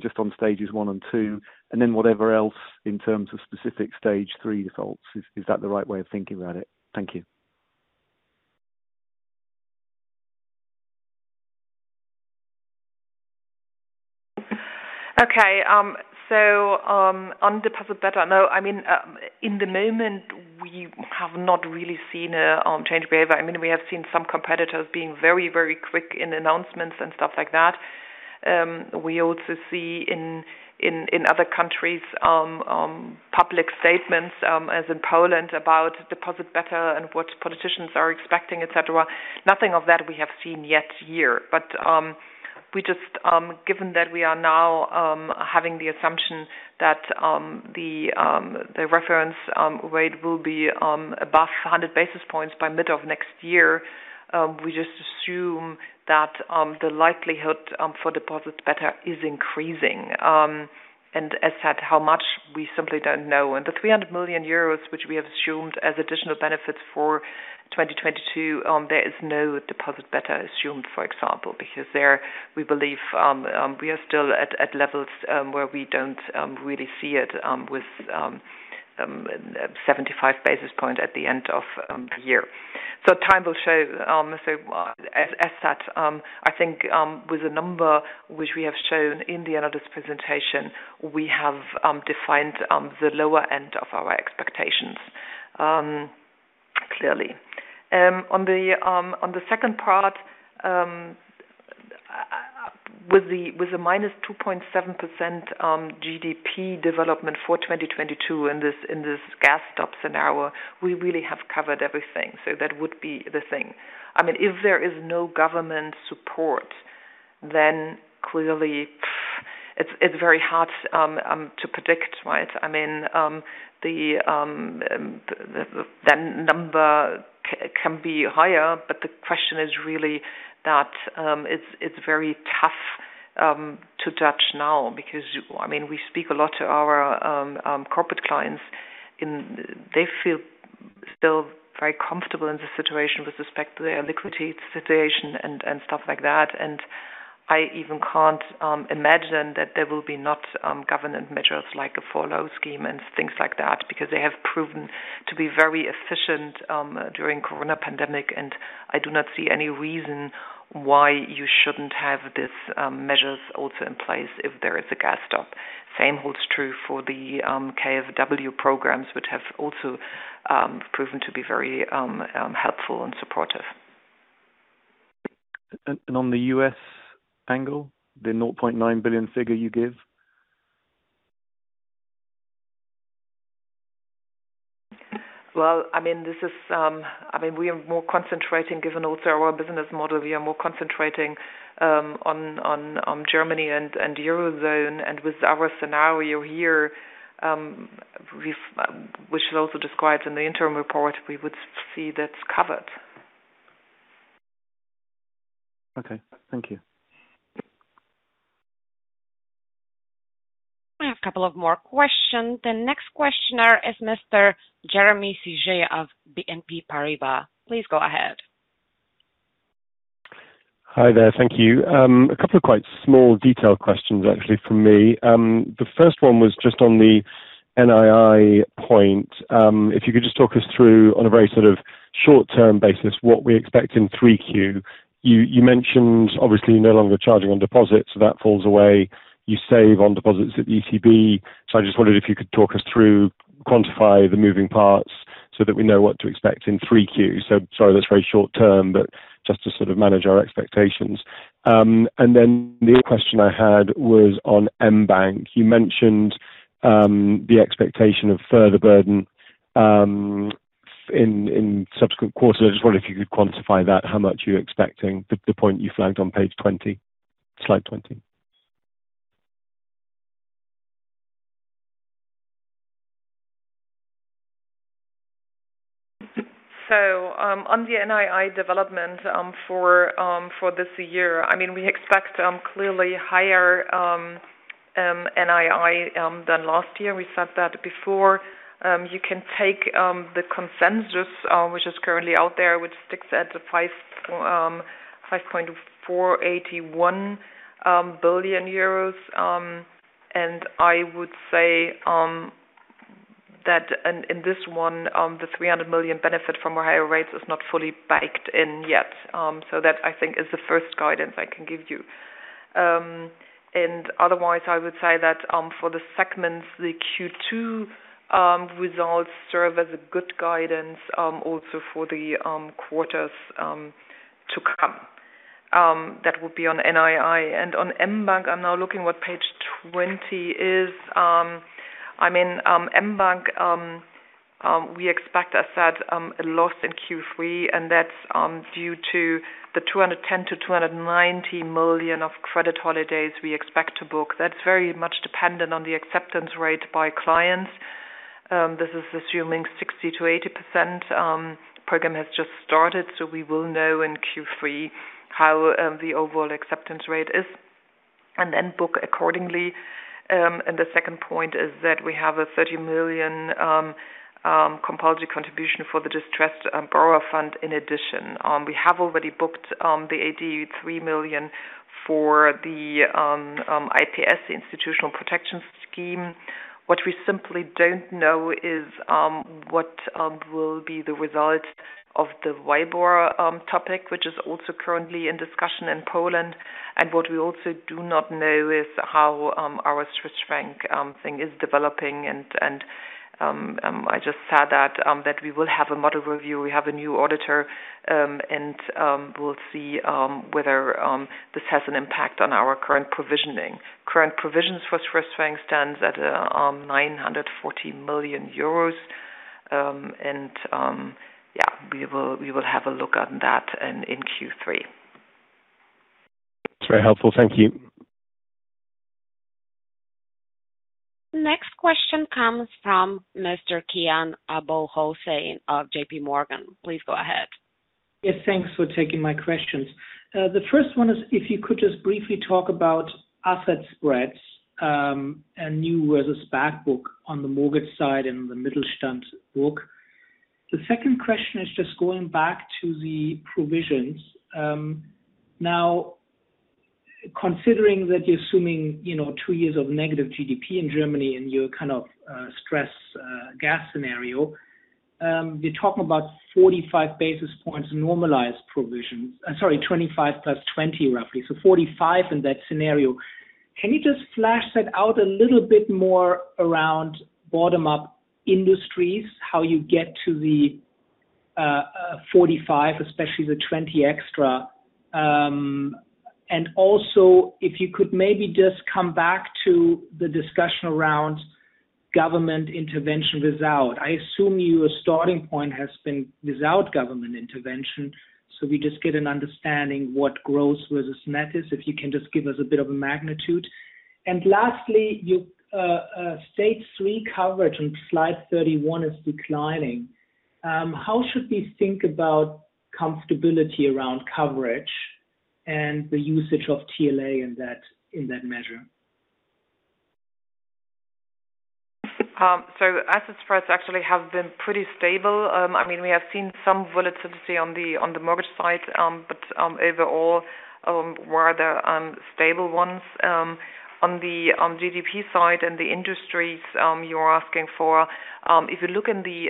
just on stages one and two, and then whatever else in terms of specific stage three defaults. Is that the right way of thinking about it? Thank you. On deposit beta, I mean, at the moment we have not really seen a change in behavior. I mean, we have seen some competitors being very, very quick in announcements and stuff like that. We also see in other countries public statements, as in Poland about deposit beta and what politicians are expecting, et cetera. Nothing of that we have seen yet here. Given that we are now having the assumption that the reference rate will be above 100 basis points by mid of next year, we just assume that the likelihood for deposit beta is increasing. As said, how much we simply don't know. The 300 million euros which we have assumed as additional benefits for 2022, there is no deposit beta assumed, for example, because there we believe we are still at levels where we don't really see it, with 75 basis points at the end of the year. Time will show. As such, I think with the number which we have shown in the analyst presentation, we have defined the lower end of our expectations. Clearly. On the second part, with the -2.7% GDP development for 2022 in this gas stop scenario, we really have covered everything. That would be the thing. I mean, if there is no government support, then clearly it's very hard to predict, right? I mean, the number can be higher, but the question is really that it's very tough to judge now because we speak a lot to our corporate clients and they feel still very comfortable in this situation with respect to their liquidity situation and stuff like that. I even can't imagine that there will be not government measures like a furlough scheme and things like that because they have proven to be very efficient during Corona pandemic, and I do not see any reason why you shouldn't have these measures also in place if there is a gas stop. Same holds true for the KfW programs, which have also helpful and supportive. On the U.S. angle, the 0.9 billion figure you give. Well, I mean, we are more concentrating given also our business model on Germany and Eurozone. With our scenario here, which is also described in the interim report, we would see that's covered. Okay, thank you. We have a couple of more questions. The next questioner is Mr. Jeremy Sigee of BNP Paribas. Please go ahead. Hi there. Thank you. A couple of quite small detailed questions actually from me. The first one was just on the NII point. If you could just talk us through on a very sort of short term basis what we expect in 3Q. You mentioned obviously no longer charging on deposits, so that falls away. You save on deposits at ECB. I just wondered if you could talk us through, quantify the moving parts so that we know what to expect in 3Q. Sorry, that's very short term, but just to sort of manage our expectations. Then the other question I had was on mBank. You mentioned the expectation of further burden in subsequent quarters. I just wonder if you could quantify that, how much you're expecting the point you flagged on page 20, slide 20. On the NII development, for this year, I mean, we expect clearly higher NII than last year. We said that before. You can take the consensus which is currently out there, which sticks at the 5.481 billion euros. I would say that, and in this one, the 300 million benefit from our higher rates is not fully baked in yet. That I think is the first guidance I can give you. Otherwise I would say that, for the segments, the Q2 results serve as a good guidance also for the quarters to come. That would be on NII. On mBank, I'm now looking what page 20 is. I mean, mBank, we expect as said, a loss in Q3, and that's due to the 210 million-290 million of credit holidays we expect to book. That's very much dependent on the acceptance rate by clients. This is assuming 60%-80%. Program has just started, so we will know in Q3 how the overall acceptance rate is and then book accordingly. The second point is that we have a 30 million compulsory contribution for the distressed borrower fund in addition. We have already booked the 83 million for the IPS institutional protection scheme. What we simply don't know is what will be the result of the WIBOR topic, which is also currently in discussion in Poland. What we also do not know is how our Swiss franc thing is developing. I just said that we will have a model review. We have a new auditor, and we'll see whether this has an impact on our current provisioning. Current provisions for Swiss franc stands at 940 million euros. We will have a look on that in Q3. It's very helpful. Thank you. Next question comes from Mr. Kian Abouhossein of JPMorgan. Please go ahead. Yes, thanks for taking my questions. The first one is if you could just briefly talk about asset spreads, and new versus back book on the mortgage side and the Mittelstand book. The second question is just going back to the provisions. Now considering that you're assuming, you now, two years of negative GDP in Germany in your kind of stress scenario, you're talking about 45 basis points normalized provisions. Sorry, 25 + 20 roughly. 45 in that scenario. Can you just flesh that out a little bit more around bottom-up industries, how you get to the 45, especially the 20 extra. Also if you could maybe just come back to the discussion around government intervention without. I assume your starting point has been without government intervention, so we just get an understanding what growth versus net is, if you can just give us a bit of a magnitude. Lastly, your stage three coverage on slide 31 is declining. How should we think about comfortability around coverage and the usage of TLA in that measure? Asset spreads actually have been pretty stable. I mean, we have seen some volatility on the mortgage side, but overall, we're the stable ones. On the GDP side and the industries you're asking for, if you look in the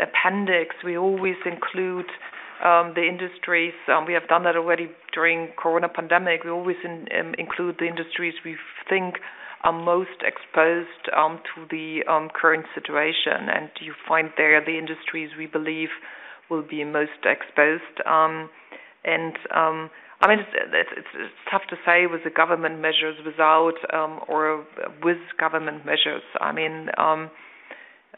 appendix, we always include the industries. We have done that already during Corona pandemic. We always include the industries we think are most exposed to the current situation, and you find there the industries we believe will be most exposed. I mean, it's tough to say with or without government measures. I mean,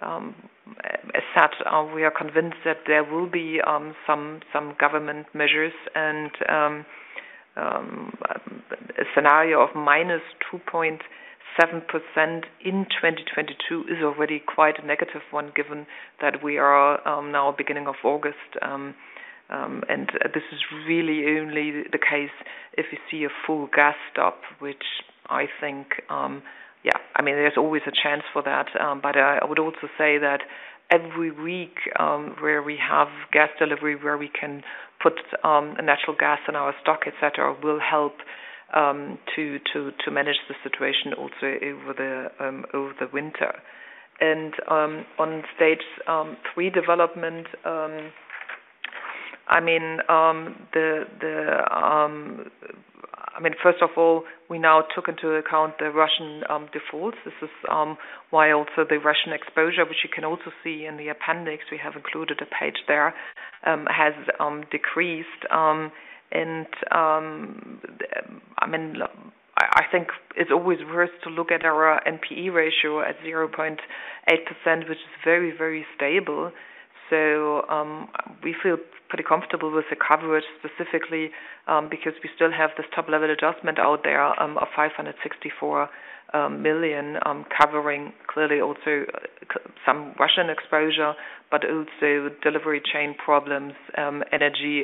as such, we are convinced that there will be some government measures and a scenario of -2.7% in 2022 is already quite a negative one, given that we are now beginning of August. This is really only the case if you see a full gas stop, which I think, yeah. I mean, there's always a chance for that. But I would also say that every week where we have gas delivery, where we can put natural gas in our stock, et cetera, will help to manage the situation also over the winter. On stage three development, I mean, first of all, we now took into account the Russian defaults. This is why also the Russian exposure, which you can also see in the appendix, we have included a page there, has decreased. I mean, I think it's always worth to look at our NPE ratio at 0.8%, which is very, very stable. We feel pretty comfortable with the coverage specifically, because we still have this top-level adjustment out there of 564 million, covering clearly also some Russian exposure, but also supply chain problems, energy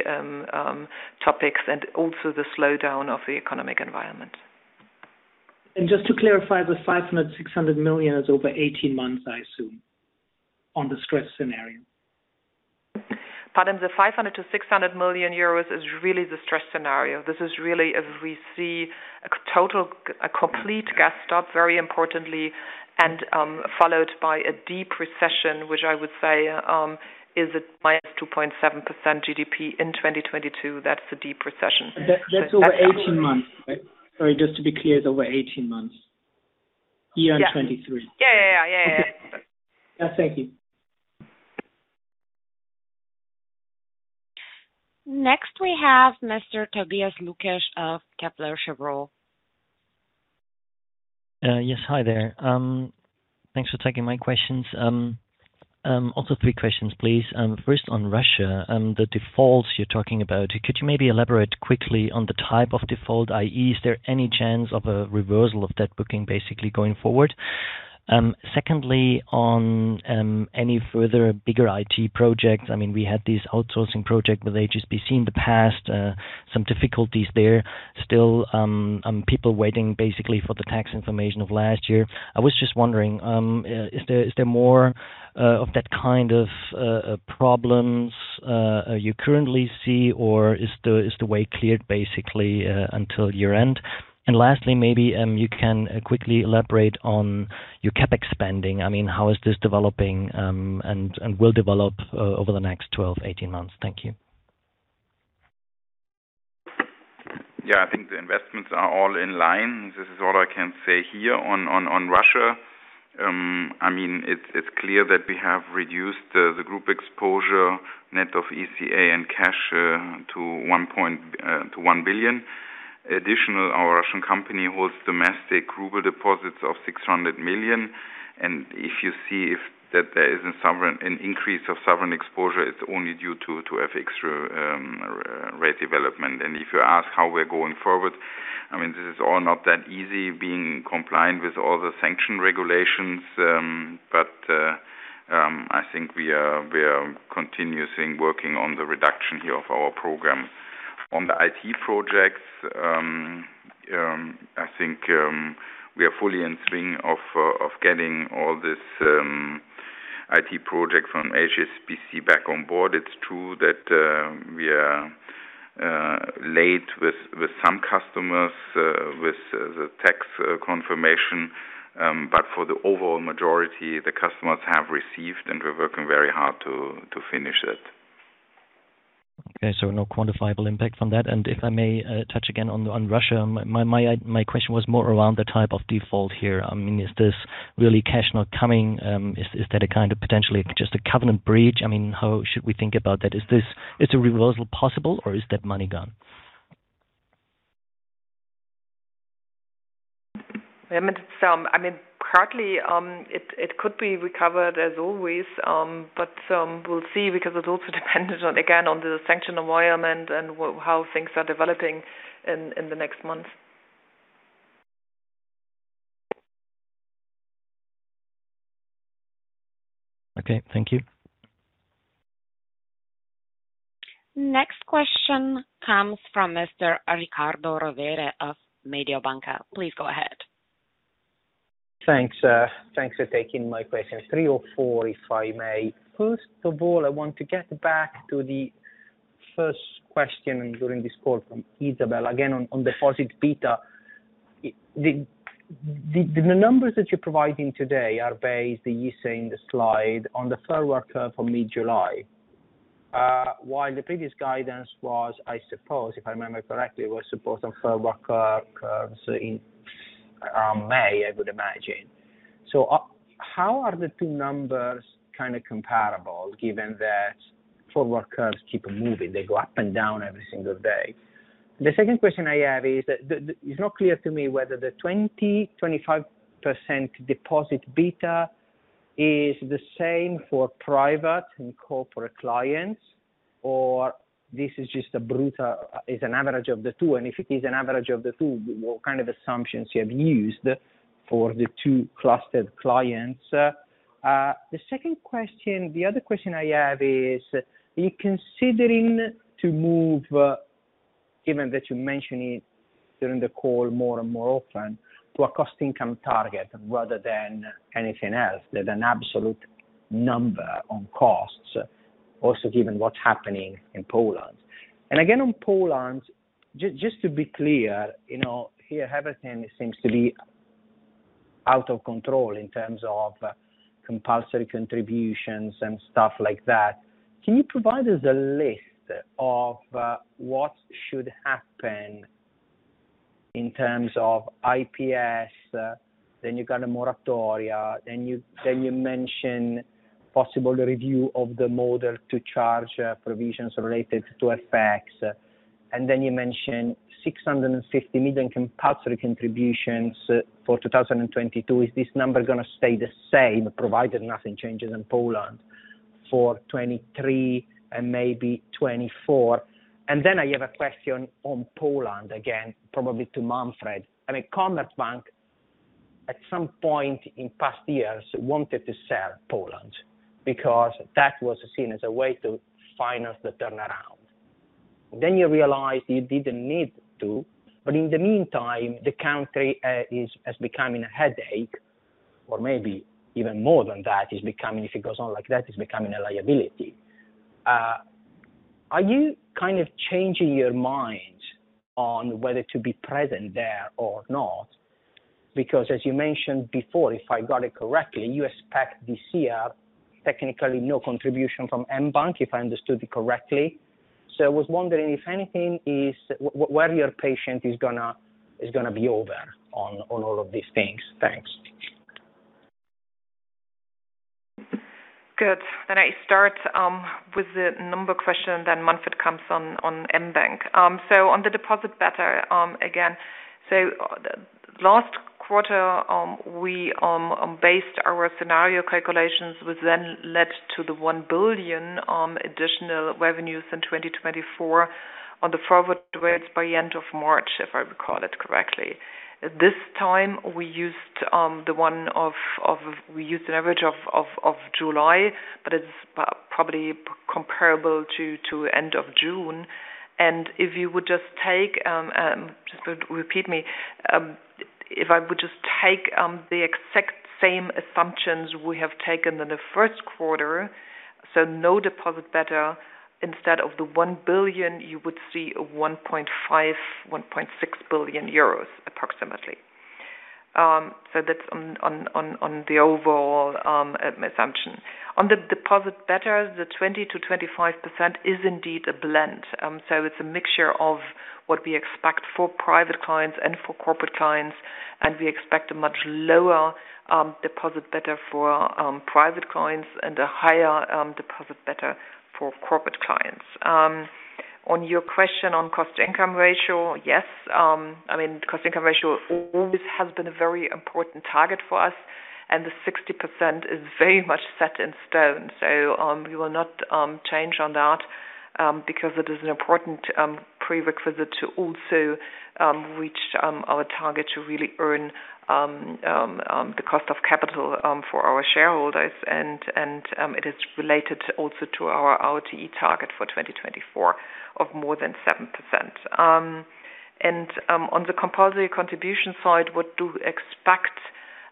topics, and also the slowdown of the economic environment. Just to clarify, the 500 million-600 million is over 18 months, I assume, on the stress scenario. Pardon? The 500million-600 million euros is really the stress scenario. This is really as we see a complete gas stop, very importantly, and followed by a deep recession, which I would say is a -2.7% GDP in 2022. That's the deep recession. That's over 18 months, right? Sorry, just to be clear, it's over 18 months. Year 2023. Yeah. Thank you. Next, we have Mr. Tobias Lukesch of Kepler Cheuvreux. Yes. Hi there. Thanks for taking my questions. Also three questions, please. First on Russia, the defaults you're talking about, could you maybe elaborate quickly on the type of default? i.e., is there any chance of a reversal of that booking basically going forward? Secondly, on any further bigger IT projects. I mean, we had this outsourcing project with HSBC in the past, some difficulties there. Still, people waiting basically for the tax information of last year. I was just wondering, is there more of that kind of problems you currently see, or is the way cleared basically until year-end? Lastly, maybe you can quickly elaborate on your CapEx spending. I mean, how is this developing, and will develop over the next 12-18 months? Thank you. Yeah. I think the investments are all in line. This is all I can say here on Russia. It's clear that we have reduced the group exposure net of ECA and cash to 1 billion. Additionally, our Russian company holds domestic ruble deposits of 600 million. If you see that there is an increase of sovereign exposure, it's only due to FX rate development. If you ask how we're going forward, this is all not that easy being compliant with all the sanction regulations. I think we are continuously working on the reduction here of our program. On the IT projects, I think we are fully in swing of getting all this IT project from HSBC back on board. It's true that we are late with some customers with the tax confirmation. For the overall majority, the customers have received, and we're working very hard to finish it. No quantifiable impact on that. If I may, touch again on Russia. My question was more around the type of default here. I mean, is this really cash not coming? Is that a kind of potentially just a covenant breach? I mean, how should we think about that? Is a reversal possible, or is that money gone? I mean, partly it could be recovered as always. We'll see because it also depends again on the sanction environment and how things are developing in the next month. Okay, thank you. Next question comes from Mr. Riccardo Rovere of Mediobanca. Please go ahead. Thanks for taking my questions. Three or four, if I may. First of all, I want to get back to the first question during this call from Izabel, again, on deposit beta. The numbers that you're providing today are based, you say in the slide, on the forward curve for mid-July. While the previous guidance was, I suppose, if I remember correctly, based on forward curves in May, I would imagine. How are the two numbers kind of comparable given that forward curves keep moving, they go up and down every single day? The second question I have is that it's not clear to me whether the 25% deposit beta is the same for private and corporate clients, or this is just an average of the two, and if it is an average of the two, what kind of assumptions you have used for the two client clusters? The other question I have is, are you considering to move, given that you mention it during the call more and more often, to a cost-income target rather than anything else, than an absolute number on costs, also given what's happening in Poland? Again, on Poland, just to be clear, you know, here everything seems to be out of control in terms of compulsory contributions and stuff like that. Can you provide us a list of what should happen in terms of IPS? You got a moratoria, then you mention possible review of the model to charge provisions related to FX. You mention 650 million compulsory contributions for 2022. Is this number gonna stay the same, provided nothing changes in Poland for 2023 and maybe 2024? I have a question on Poland, again, probably to Manfred. I mean, Commerzbank, at some point in past years, wanted to sell Poland because that was seen as a way to finance the turnaround. You realized you didn't need to, but in the meantime, the country is becoming a headache or maybe even more than that, is becoming, if it goes on like that, a liability. Are you kind of changing your mind on whether to be present there or not? Because as you mentioned before, if I got it correctly, you expect this year technically no contribution from mBank, if I understood it correctly. I was wondering where your patience is gonna be over on all of these things. Thanks. Good. I start with the number question, then Manfred comes on mBank. On the deposit beta, again. Last quarter, we based our scenario calculations, which then led to the 1 billion additional revenues in 2024 on the forward rates by end of March, if I recall it correctly. This time we used the one of July, but it's probably comparable to end of June. If you would just take the exact same assumptions we have taken in the first quarter, so no deposit beta, instead of the 1 billion, you would see 1.5 billion-1.6 billion euros approximately. That's on the overall assumption. On the deposit beta, the 20%-25% is indeed a blend. It's a mixture of what we expect for private clients and for corporate clients, and we expect a much lower deposit beta for private clients and a higher deposit beta for corporate clients. On your question on cost-income ratio, yes. I mean, cost-income ratio always has been a very important target for us, and the 60% is very much set in stone. We will not change on that because it is an important prerequisite to also reach our target to really earn the cost of capital for our shareholders. It is related also to our ROTE target for 2024 of more than 7%. On the compulsory contribution side, what do we expect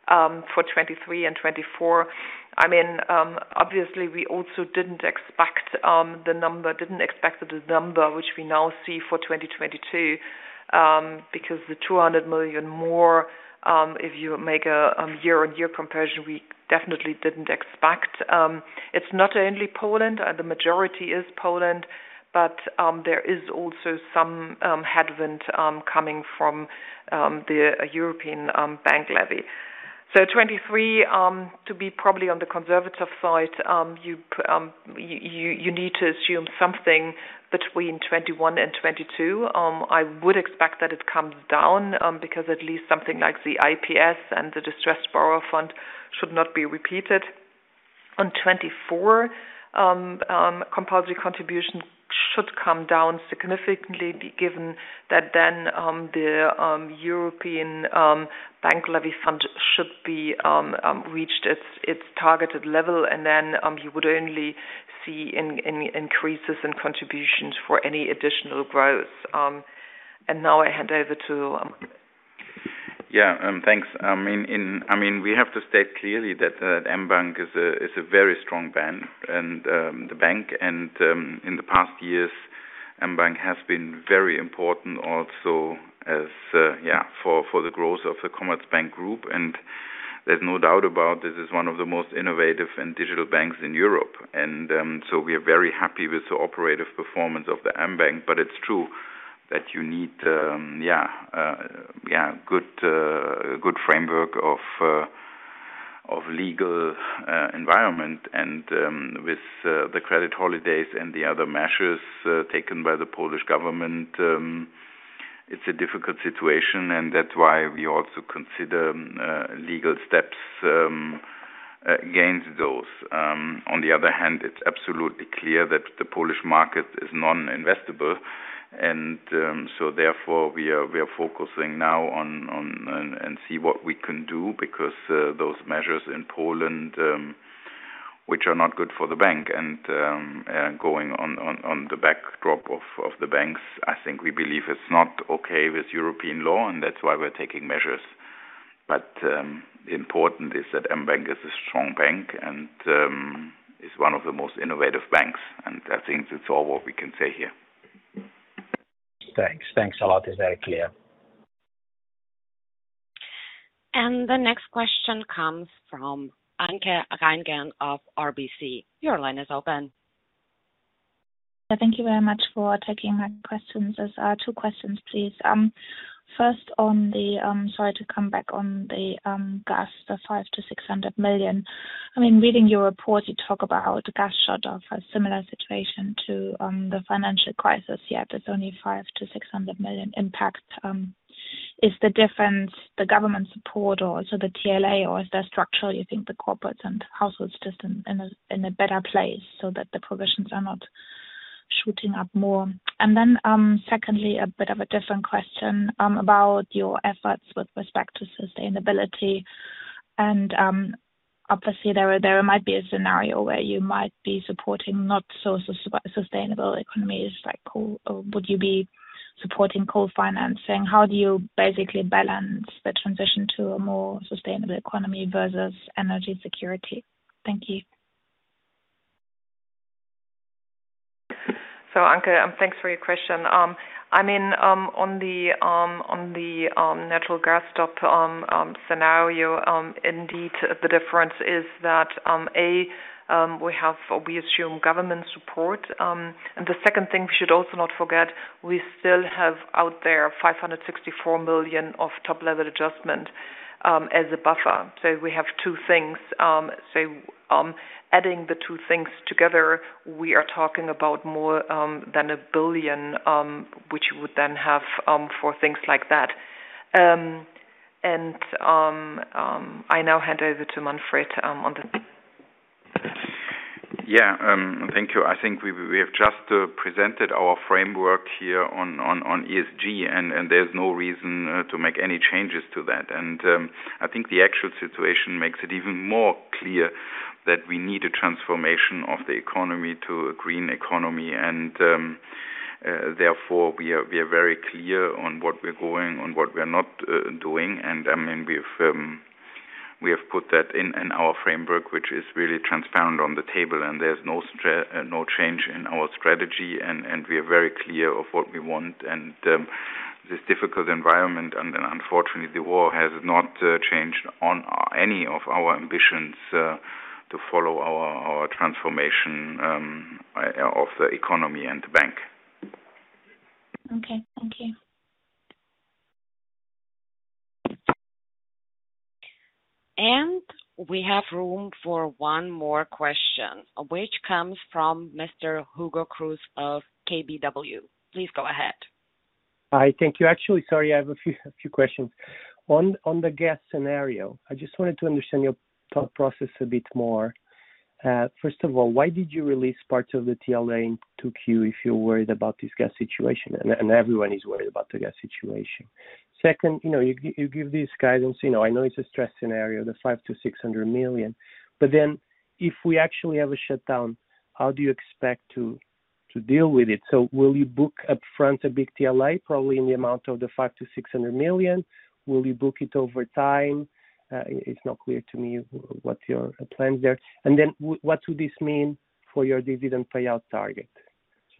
for 2023 and 2024? I mean, obviously we also didn't expect the number which we now see for 2022, because the 200 million more, if you make a year-on-year comparison, we definitely didn't expect. It's not only Poland, the majority is Poland. There is also some headwind coming from the European bank levy. 2023, to be probably on the conservative side, you need to assume something between 21 million and 22 million. I would expect that it comes down, because at least something like the IPS and the distressed borrower fund should not be repeated. In 2024, compulsory contribution should come down significantly given that then the European bank levy fund should reach its targeted level, and then you would only see in increases in contributions for any additional growth. Now I hand over to. Yeah. Thanks. I mean, we have to state clearly that mBank is a very strong bank and in the past years, mBank has been very important also as for the growth of the Commerzbank group. There's no doubt about this is one of the most innovative and digital banks in Europe. We are very happy with the operative performance of the mBank, but it's true that you need good framework of legal environment and with the credit holidays and the other measures taken by the Polish government, it's a difficult situation, and that's why we also consider legal steps against those. On the other hand, it's absolutely clear that the Polish market is non-investable. Therefore, we are focusing now, and see what we can do because those measures in Poland, which are not good for the bank. Against the backdrop of the banks, I think we believe it's not okay with European law, and that's why we're taking measures. Important is that mBank is a strong bank and is one of the most innovative banks, and I think that's all what we can say here. Thanks. Thanks a lot. It's very clear. The next question comes from Anke Reingen of RBC. Your line is open. Thank you very much for taking my questions. There's two questions, please. First on the, sorry to come back on the gas, the 500 million-600 million. I mean, reading your report, you talk about gas shutoff, a similar situation to the financial crisis, yet it's only 500 million-600 million impact. Is the difference the government support or also the TLA, or is there structural, you think the corporates and households just in a better place so that the provisions are not shooting up more? Then, secondly, a bit of a different question, about your efforts with respect to sustainability. Obviously, there might be a scenario where you might be supporting not so sustainable economies like coal, or would you be supporting coal financing? How do you basically balance the transition to a more sustainable economy versus energy security? Thank you. Anke, thanks for your question. I mean, on the natural gas spot scenario, indeed the difference is that we have or we assume government support. The second thing we should also not forget, we still have out there 564 million of top-level adjustment as a buffer. We have two things. Adding the two things together, we are talking about more than 1 billion which you would then have for things like that. I now hand over to Manfred on this. Yeah. Thank you. I think we have just presented our framework here on ESG, and there's no reason to make any changes to that. I think the actual situation makes it even more clear that we need a transformation of the economy to a green economy. Therefore, we are very clear on what we're going on what we are not doing. I mean, we have put that in our framework, which is really transparent on the table, and there's no change in our strategy and we are very clear of what we want and this difficult environment, and unfortunately, the war has not changed any of our ambitions to follow our transformation of the economy and the bank. Okay. Thank you. We have room for one more question, which comes from Mr. Hugo Cruz of KBW. Please go ahead. Hi. Thank you. Actually, sorry, I have a few questions. On the gas scenario, I just wanted to understand your thought process a bit more. First of all, why did you release parts of the TLA in 2Q if you're worried about this gas situation? Everyone is worried about the gas situation. Second, you know, you give this guidance, you know, I know it's a stress scenario, the 500 million-600 million, but then if we actually have a shutdown, how do you expect to deal with it? Will you book upfront a big TLA, probably in the amount of the 500 million-600 million? Will you book it over time? It's not clear to me what your plan there. What would this mean for your dividend payout target?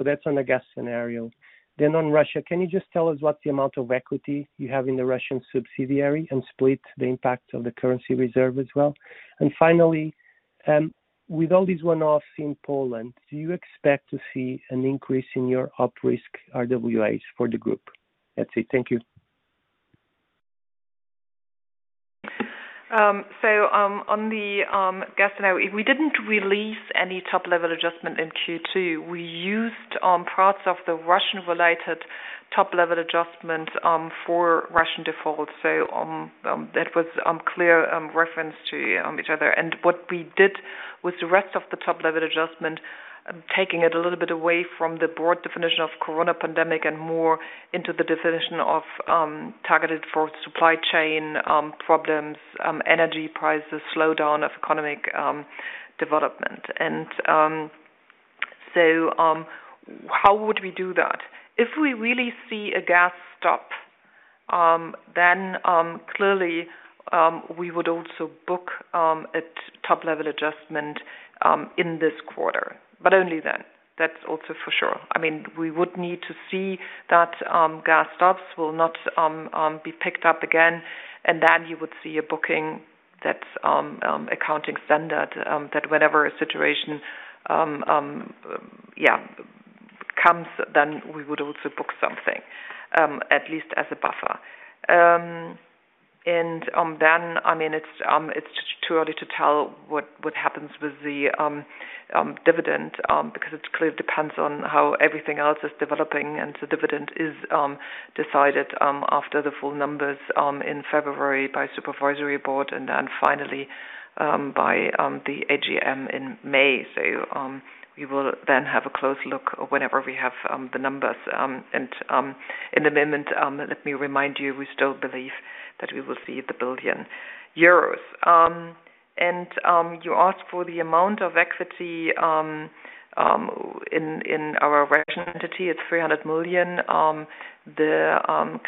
That's on the gas scenario. On Russia, can you just tell us what's the amount of equity you have in the Russian subsidiary and split the impact of the currency reserve as well? Finally, with all these one-offs in Poland, do you expect to see an increase in your operational risk RWAs for the group? That's it. Thank you. On the gas now, we didn't release any top level adjustment in Q2. We used parts of the Russian-related top level adjustment for Russian defaults. That was clear reference to each other. What we did with the rest of the top level adjustment, taking it a little bit away from the broad definition of corona pandemic and more into the definition of targeted for supply chain problems, energy prices, slowdown of economic development. How would we do that? If we really see a gas stop, then clearly we would also book a top level adjustment in this quarter. Only then. That's also for sure. I mean, we would need to see that gas stops will not be picked up again, and then you would see a booking. That's accounting standard that whenever a situation comes, then we would also book something, at least as a buffer. I mean, it's too early to tell what happens with the dividend because it clearly depends on how everything else is developing, and the dividend is decided after the full numbers in February by Supervisory Board and then finally by the AGM in May. We will then have a close look whenever we have the numbers. At the moment, let me remind you, we still believe that we will see 1 billion euros. You ask for the amount of equity in our Russian entity. It's 300 million. The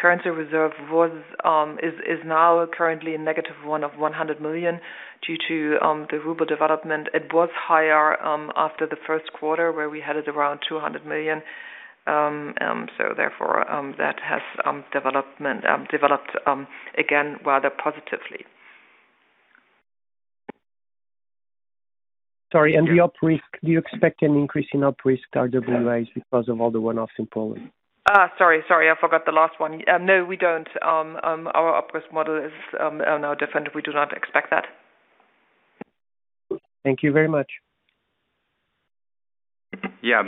currency reserve is now currently a -100 million due to the ruble development. It was higher after the first quarter where we had it around 200 million. Therefore, that has developed again rather positively. Sorry, the operational risk, do you expect an increase in operational risk RWAs because of all the one-offs in Poland? Sorry, I forgot the last one. No, we don't. Our operational risk model is now different. We do not expect that. Thank you very much. Yeah.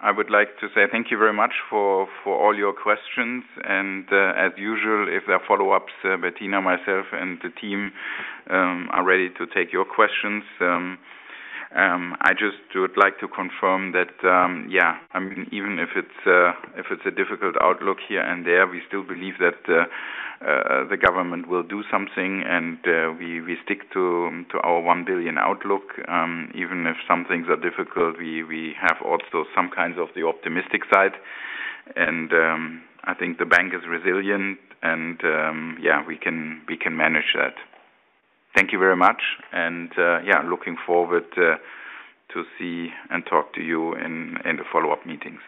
I would like to say thank you very much for all your questions. As usual, if there are follow-ups, Bettina, myself, and the team are ready to take your questions. I just would like to confirm that, yeah, I mean, even if it's a difficult outlook here and there, we still believe that the government will do something and we stick to our 1 billion outlook. Even if some things are difficult, we have also some kinds of the optimistic side. I think the bank is resilient and, yeah, we can manage that. Thank you very much. Yeah, looking forward to see and talk to you in the follow-up meetings.